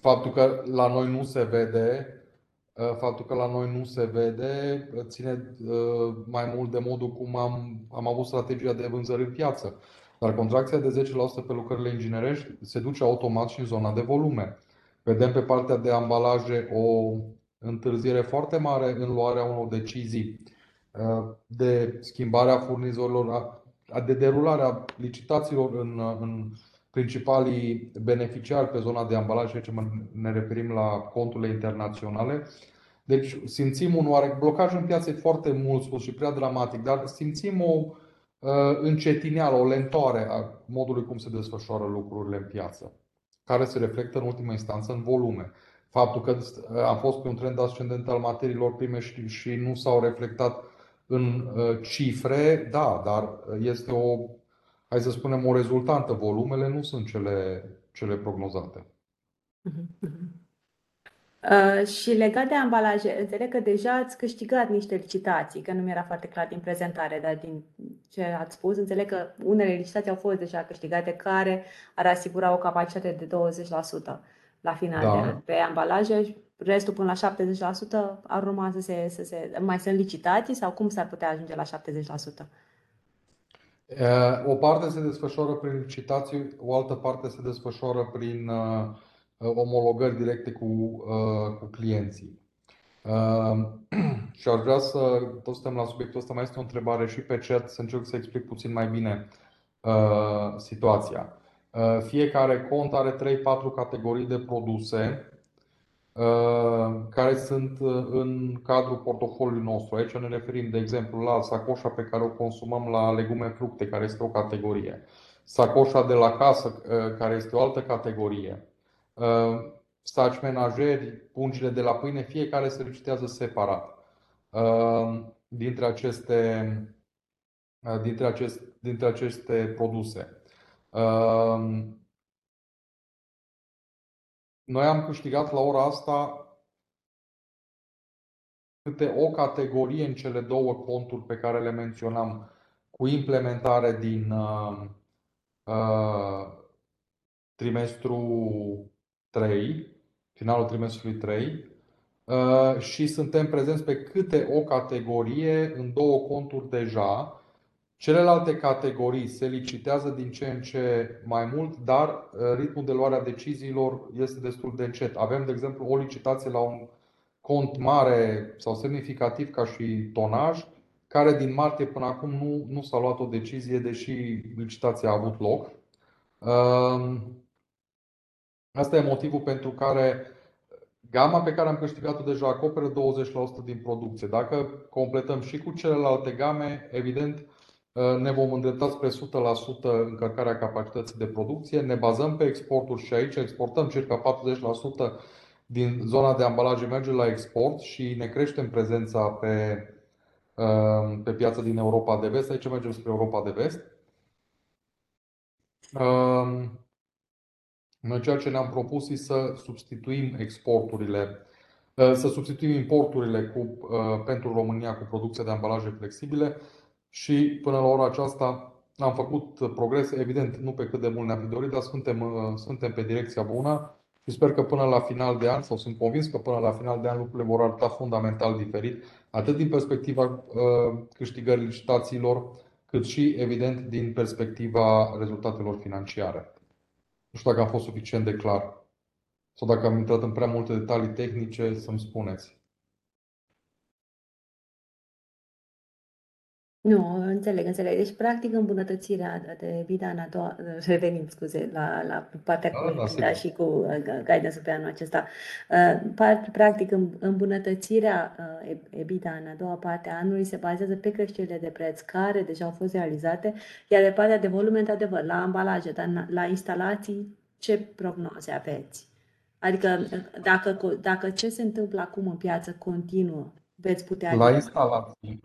Faptul că la noi nu se vede ține mai mult de modul cum am avut strategia de vânzări în piață. Dar contracția de 10% pe lucrările inginerești se duce automat și în zona de volume. Vedem pe partea de ambalaje o întârziere foarte mare în luarea unor decizii de schimbare a furnizorilor, de derulare a licitațiilor în principalii beneficiari pe zona de ambalaje. Aici ne referim la conturile internaționale. Deci simțim un oarecare blocaj. Blocajul în piață e foarte mult spus și prea dramatic, dar simțim o încetinire, o lentoare a modului cum se desfășoară lucrurile în piață, care se reflectă în ultimă instanță în volume. Faptul că am fost pe un trend ascendent al materiilor prime și nu s-au reflectat în cifre, da, dar este o, hai să spunem, o rezultantă. Volumele nu sunt cele prognozate. Legat de ambalaje, înțeleg că deja ați câștigat niște licitații, că nu era foarte clar din prezentare, dar din ce ați spus înțeleg că unele licitații au fost deja câștigate, care ar asigura o capacitate de 20% la final de an pe ambalaje și restul până la 70% ar rămâne să se mai sunt licitații sau cum s-ar putea ajunge la 70%? O parte se desfășoară prin licitații, o altă parte se desfășoară prin omologări directe cu clienții. Aș vrea să tot stăm la subiectul ăsta. Mai este o întrebare și pe chat. Să încerc să explic puțin mai bine situația. Fiecare cont are trei, patru categorii de produse care sunt în cadrul portofoliului nostru. Aici ne referim, de exemplu, la sacoșa pe care o consumăm la legume-fructe, care este o categorie. Sacoșa de la casă, care este o altă categorie. Sacii menajeri, pungile de la pâine. Fiecare se licitează separat. Dintre aceste produse. Noi am câștigat la ora asta câte o categorie în cele două conturi pe care le menționam cu implementare din trimestrul trei, finalul trimestrului trei și suntem prezenți pe câte o categorie în două conturi deja. Celelalte categorii se licitează din ce în ce mai mult, dar ritmul de luare a deciziilor este destul de încet. Avem, de exemplu, o licitație la un cont mare sau semnificativ ca și tonaj, care din martie până acum nu s-a luat o decizie, deși licitația a avut loc. Asta e motivul pentru care gama pe care am câștigat-o deja acoperă 20% din producție. Dacă completăm și cu celelalte game, evident, ne vom îndrepta spre 100% încărcarea capacității de producție. Ne bazăm pe exporturi și aici exportăm circa 40% din zona de ambalaje merge la export și ne creștem prezența pe pe piața din Europa de Vest. Aici mergem spre Europa de Vest. Noi ceea ce ne-am propus e să substituim exporturile, să substituim importurile cu pentru România, cu producția de ambalaje flexibile și până la ora aceasta am făcut progrese. Evident, nu pe cât de mult ne-am fi dorit, dar suntem pe direcția bună și sper că până la final de an sau sunt convins că până la final de an lucrurile vor arăta fundamental diferit, atât din perspectiva câștigării licitațiilor, cât și, evident, din perspectiva rezultatelor financiare. Nu știu dacă am fost suficient de clar sau dacă am intrat în prea multe detalii tehnice, să îmi spuneți. Nu, înțeleg. Practic îmbunătățirea de EBITDA. Revenim, scuze, la partea cu ghidarea și cu guidance pe anul acesta. Practic, îmbunătățirea EBITDA în a doua parte a anului se bazează pe creșterile de preț care deja au fost realizate, iar pe partea de volumes, într-adevăr la ambalaje, dar la instalații ce prognoze aveți? Adică dacă ce se întâmplă acum în piață continuă, veți putea- La instalații,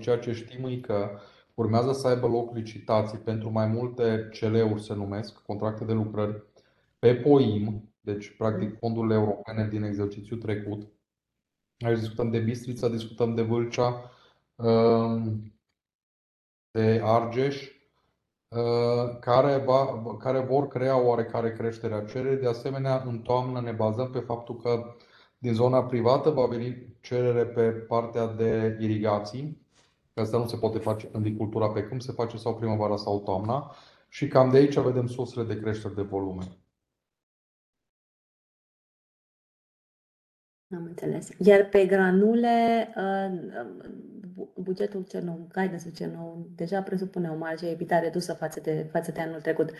ceea ce știm e că urmează să aibă loc licitații pentru mai multe CL-uri, se numesc contracte de lucrări pe POIM. Deci practic fondurile europene din exercițiul trecut. Aici discutăm de Bistrița, discutăm de Vâlcea, de Argeș. Care vor crea o oarecare creștere a cererii. De asemenea, în toamnă ne bazăm pe faptul că din zona privată va veni cerere pe partea de irigații. Asta nu se poate face în agricultura pe câmp. Se face sau primăvara sau toamna și cam de aici vedem sursele de creșteri de volume. Am înțeles. Pe granule, bugetul ce ne ghidă, ce ne deja presupune o marjă EBITDA redusă față de anul trecut.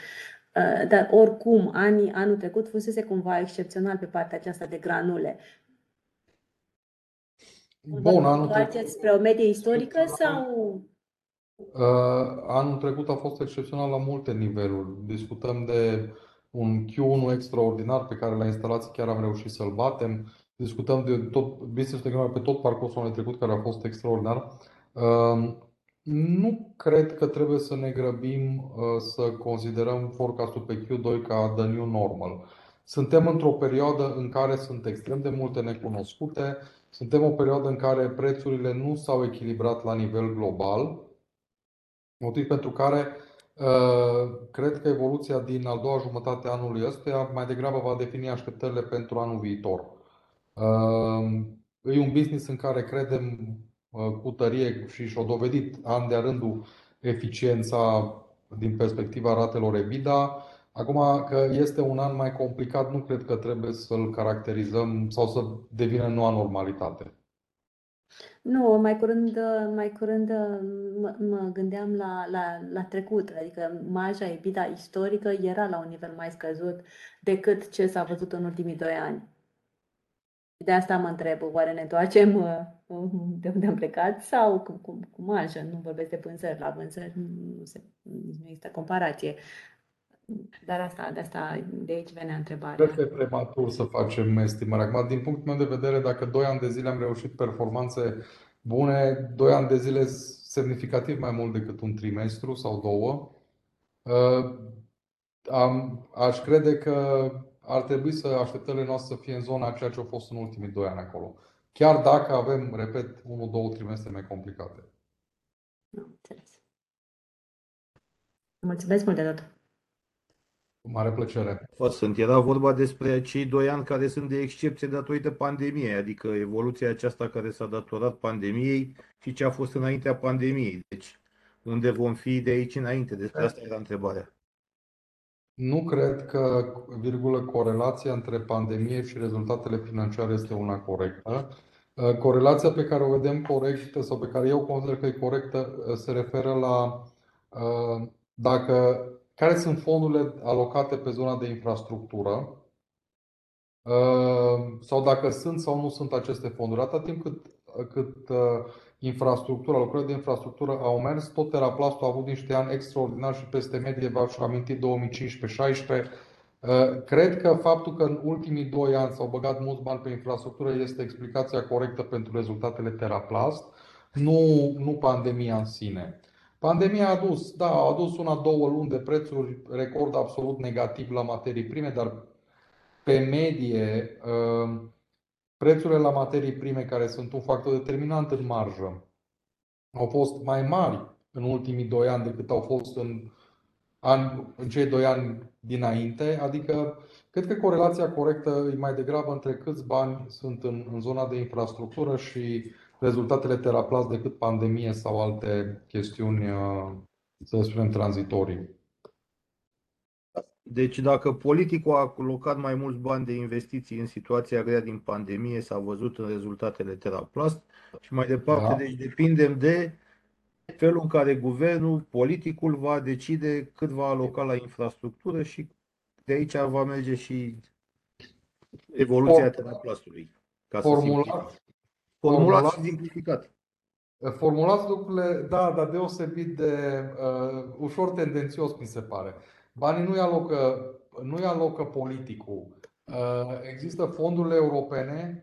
Oricum anul trecut fusese cumva excepțional pe partea aceasta de granule. Ne întoarcem spre o medie istorică sau... Anul trecut a fost excepțional la multe niveluri. Discutăm de un Q1 extraordinar pe care la instalații chiar am reușit să-l batem. Discutăm de tot business-ul pe tot parcursul anului trecut, care a fost extraordinar. Nu cred că trebuie să ne grăbim să considerăm forecast-ul pe Q2 ca the new normal. Suntem într-o perioadă în care sunt extrem de multe necunoscute. Suntem o perioadă în care prețurile nu s-au echilibrat la nivel global, motiv pentru care cred că evoluția din a doua jumătate a anului ăstuia mai degrabă va defini așteptările pentru anul viitor. E un business în care credem cu tărie și-a dovedit an de an rândul eficiența din perspectiva ratelor EBITDA. Acuma, că este un an mai complicat, nu cred că trebuie să îl caracterizăm sau să devină noua normalitate. Nu, mai curând mă gândeam la trecut. Adică marja EBITDA istorică era la un nivel mai scăzut decât ce s-a văzut în ultimii doi ani. De asta mă întreb oare ne întoarcem de unde am plecat? Sau cu marja? Nu vorbesc de vânzări. La vânzări nu există comparație. Asta, de aici venea întrebarea. Cred că e prematur să facem estimări acum. Din punctul meu de vedere, dacă 2 ani de zile am reușit performanțe bune, 2 ani de zile semnificativ mai mult decât un trimestru sau două, aș crede că ar trebui să așteptările noastre să fie în zona a ceea ce a fost în ultimii 2 ani acolo, chiar dacă avem, repet, 1, 2 trimestre mai complicate. Am înțeles. Mulțumesc mult de tot. Cu mare plăcere. Era vorba despre cei doi ani care sunt de excepție datorită pandemiei, adică evoluția aceasta care s-a datorat pandemiei și ce a fost înaintea pandemiei. Deci unde vom fi de aici înainte? Deci asta era întrebarea. Nu cred că corelația între pandemie și rezultatele financiare este una corectă. Corelația pe care o vedem corectă sau pe care eu consider că e corectă se referă la dacă care sunt fondurile alocate pe zona de infrastructură. Sau dacă sunt sau nu sunt aceste fonduri, atâta timp cât infrastructura, lucrările de infrastructură au mers, tot Teraplast a avut niște ani extraordinari și peste medie. V-aș aminti 2015-2016. Cred că faptul că în ultimii doi ani s-au băgat mulți bani pe infrastructură este explicația corectă pentru rezultatele Teraplast, nu pandemia în sine. Pandemia a adus, da, a adus una, două luni de prețuri record absolut negativ la materii prime. Dar pe medie, prețurile la materii prime, care sunt un factor determinant în marjă, au fost mai mari în ultimii doi ani decât au fost în cei doi ani dinainte. Adică cred că corelația corectă e mai degrabă între câți bani sunt în zona de infrastructură și rezultatele Teraplast decât pandemie sau alte chestiuni, să le spunem, tranzitorii. Dacă politicul a alocat mai mulți bani de investiții în situația grea din pandemie, s-a văzut în rezultatele Teraplast și mai departe depindem de felul în care Guvernul, politicul va decide cât va aloca la infrastructură și de aici va merge și evoluția Teraplast-ului. Formulați- Formulați simplificat. Formulați lucrurile, da, dar deosebit de ușor tendențios, mi se pare. Banii nu-i alocă, nu-i alocă politicul. Există fondurile europene,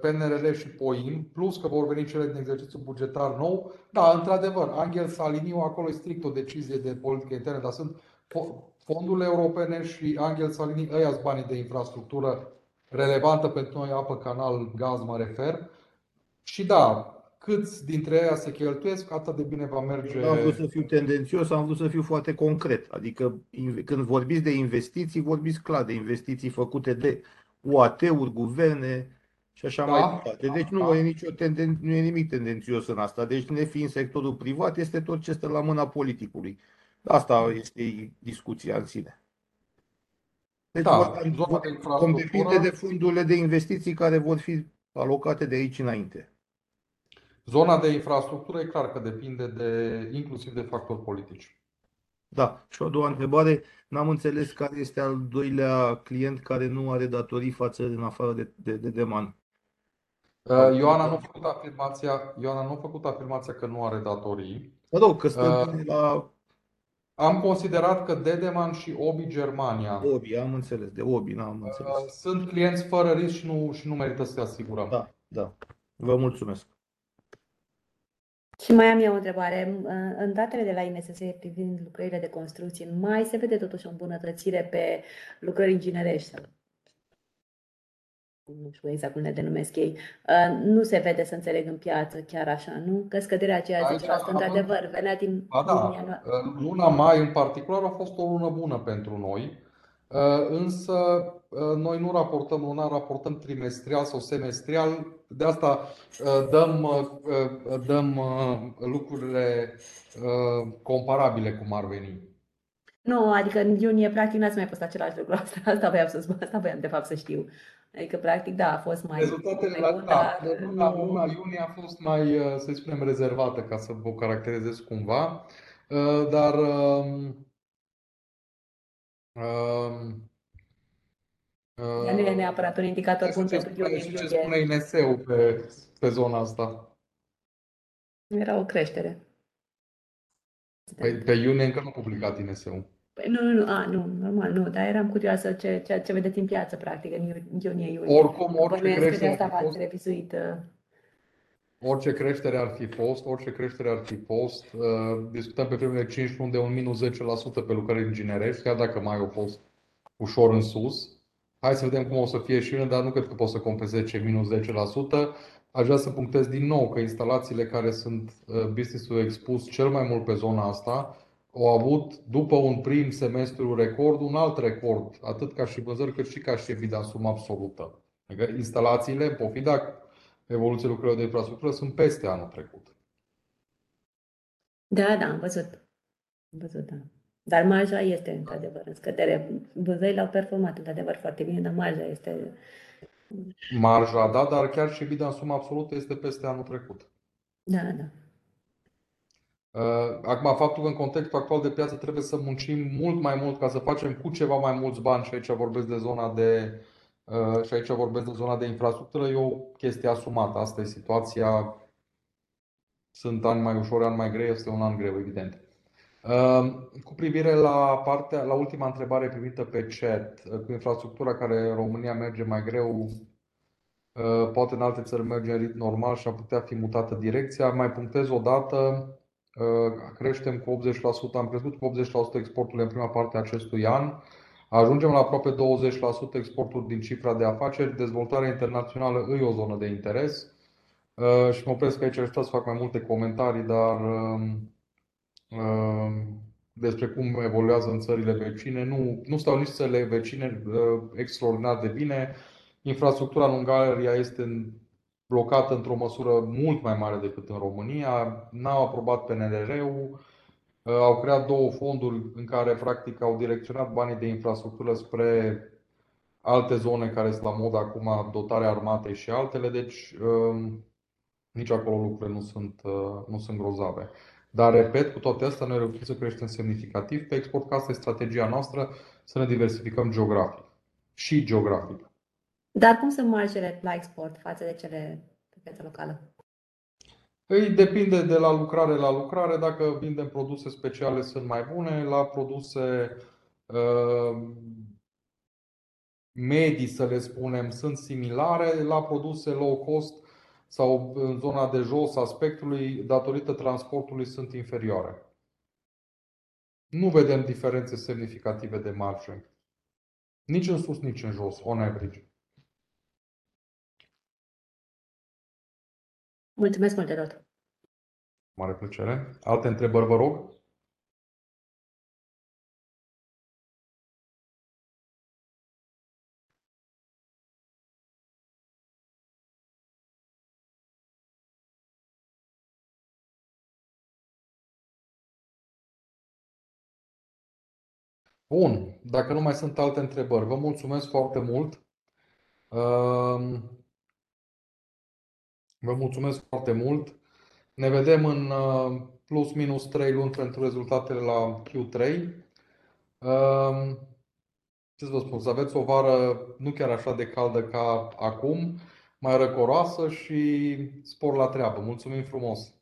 PNRR și POIM plus că vor veni cele din exercițiul bugetar nou. Da, într-adevăr, Anghel Saligny acolo e strict o decizie de politică internă, dar sunt fondurile europene și Anghel Saligny, ăia-s banii de infrastructură relevantă pentru noi, apă, canal, gaz, mă refer. Da, câți dintre ăia se cheltuiesc, atâta de bine va merge. Eu n-am vrut să fiu tendențios, am vrut să fiu foarte concret. Adică când vorbiți de investiții, vorbiți clar de investiții făcute de UAT-uri, guverne și așa mai departe. Deci nu e nicio tendință, nu e nimic tendențios în asta. Deci, nefiind sectorul privat, este tot ce stă la mâna politicului. Asta este discuția în sine. Da, în zona de infrastructură. Depinde de fondurile de investiții care vor fi alocate de aici înainte. Zona de infrastructură e clar că depinde de inclusiv de factori politici. Da. O a doua întrebare: n-am înțeles care este al doilea client care nu are datorii față în afară de Dedeman? Ioana nu a făcut afirmația că nu are datorii. Nu, că sunt la. Am considerat că Dedeman și OBI Germania. OBI, am înțeles. De OBI, am înțeles. Sunt clienți fără risc și nu merită să-i asigurăm. Da, da. Vă mulțumesc. Mai am eu o întrebare. În datele de la INS privind lucrările de construcții în mai se vede totuși o îmbunătățire pe lucrări inginerești sau. Nu știu exact cum le denumesc ei. Nu se vede, să înțeleg, în piață chiar așa, nu? Că scăderea aceea de 10% într-adevăr venea din luna mai. Luna mai în particular a fost o lună bună pentru noi. Însă noi nu raportăm lunar, raportăm trimestrial sau semestrial. De asta dăm lucrurile comparabile, cum ar veni. Nu, adică în iunie practic n-ați mai fost același lucru. Asta voiam să spun. Asta voiam de fapt să știu. Adică practic da, a fost mai. Rezultatele la luna iunie au fost mai, să-i spunem rezervată, ca să o caracterizez cumva. Ea nu e neapărat un indicator bun pentru geografie. Ce spune INS pe zona asta? Era o creștere. Păi pe iunie încă nu o publicat INS. Păi nu. Normal, nu. Dar eram curioasă ce vedeți în piață, practic, în iunie, iulie. Oricum, orice creștere. Bănuiesc că data asta v-ați revizuit. Orice creștere ar fi fost, discutăm pe primele cinci luni de un -10% pe lucrări inginerești, chiar dacă mai au fost ușor în sus. Hai să vedem cum o să fie iunie, dar nu cred că pot să compenseze -10%. Aș vrea să punctez din nou că instalațiile care sunt businessul expus cel mai mult pe zona asta au avut, după un prim semestru record, un alt record, atât ca și vânzări, cât și ca și EBITDA sumă absolută. Adică instalațiile, poftim, dacă evoluția lucrărilor de infrastructură sunt peste anul trecut. Da, am văzut. Marja este într-adevăr în scădere. Vânzările au performat într-adevăr foarte bine, dar marja este. Marja da, dar chiar și EBITDA în sumă absolută este peste anul trecut. Da, da. Acum, faptul că în contextul actual de piață trebuie să muncim mult mai mult ca să facem cu ceva mai mulți bani. Aici vorbesc de zona de infrastructură, e o chestie asumată. Asta e situația. Sunt ani mai ușori, ani mai grei. Este un an greu, evident. Cu privire la partea, la ultima întrebare primită pe chat: cu infrastructura care România merge mai greu, poate în alte țări merge în ritm normal și ar putea fi mutată direcția. Mai punctez o dată: creștem cu 80%. Am crescut cu 80% exporturile în prima parte a acestui an. Ajungem la aproape 20% exporturi din cifra de afaceri. Dezvoltarea internațională e o zonă de interes și mă opresc aici. Am încercat să fac mai multe comentarii, dar despre cum evoluează în țările vecine nu stau nici țările vecine extraordinar de bine. Infrastructura în Ungaria este blocată într-o măsură mult mai mare decât în România. N-au aprobat PNRR-ul, au creat două fonduri în care practic au direcționat banii de infrastructură spre alte zone care sunt la modă acum, dotarea armatei și altele. Deci nici acolo lucrurile nu sunt grozave. Dar repet, cu toate astea, noi reușim să creștem semnificativ pe export, că asta e strategia noastră, să ne diversificăm geografic. Cum sunt marjele la export față de cele pe piața locală? Păi depinde de la lucrare la lucrare. Dacă vindem produse speciale sunt mai bune. La produse medii, să le spunem, sunt similare. La produse low cost sau în zona de jos a spectrului, datorită transportului sunt inferioare. Nu vedem diferențe semnificative de marjă, nici în sus, nici în jos. On average. Mulțumesc mult de tot. Cu mare plăcere. Alte întrebări, vă rog. Bun, dacă nu mai sunt alte întrebări. Vă mulțumesc foarte mult. Ne vedem în plus-minus 3 luni pentru rezultatele la Q3. Ce să vă spun? Să aveți o vară nu chiar așa de caldă ca acum, mai răcoroasă și spor la treabă. Mulțumim frumos.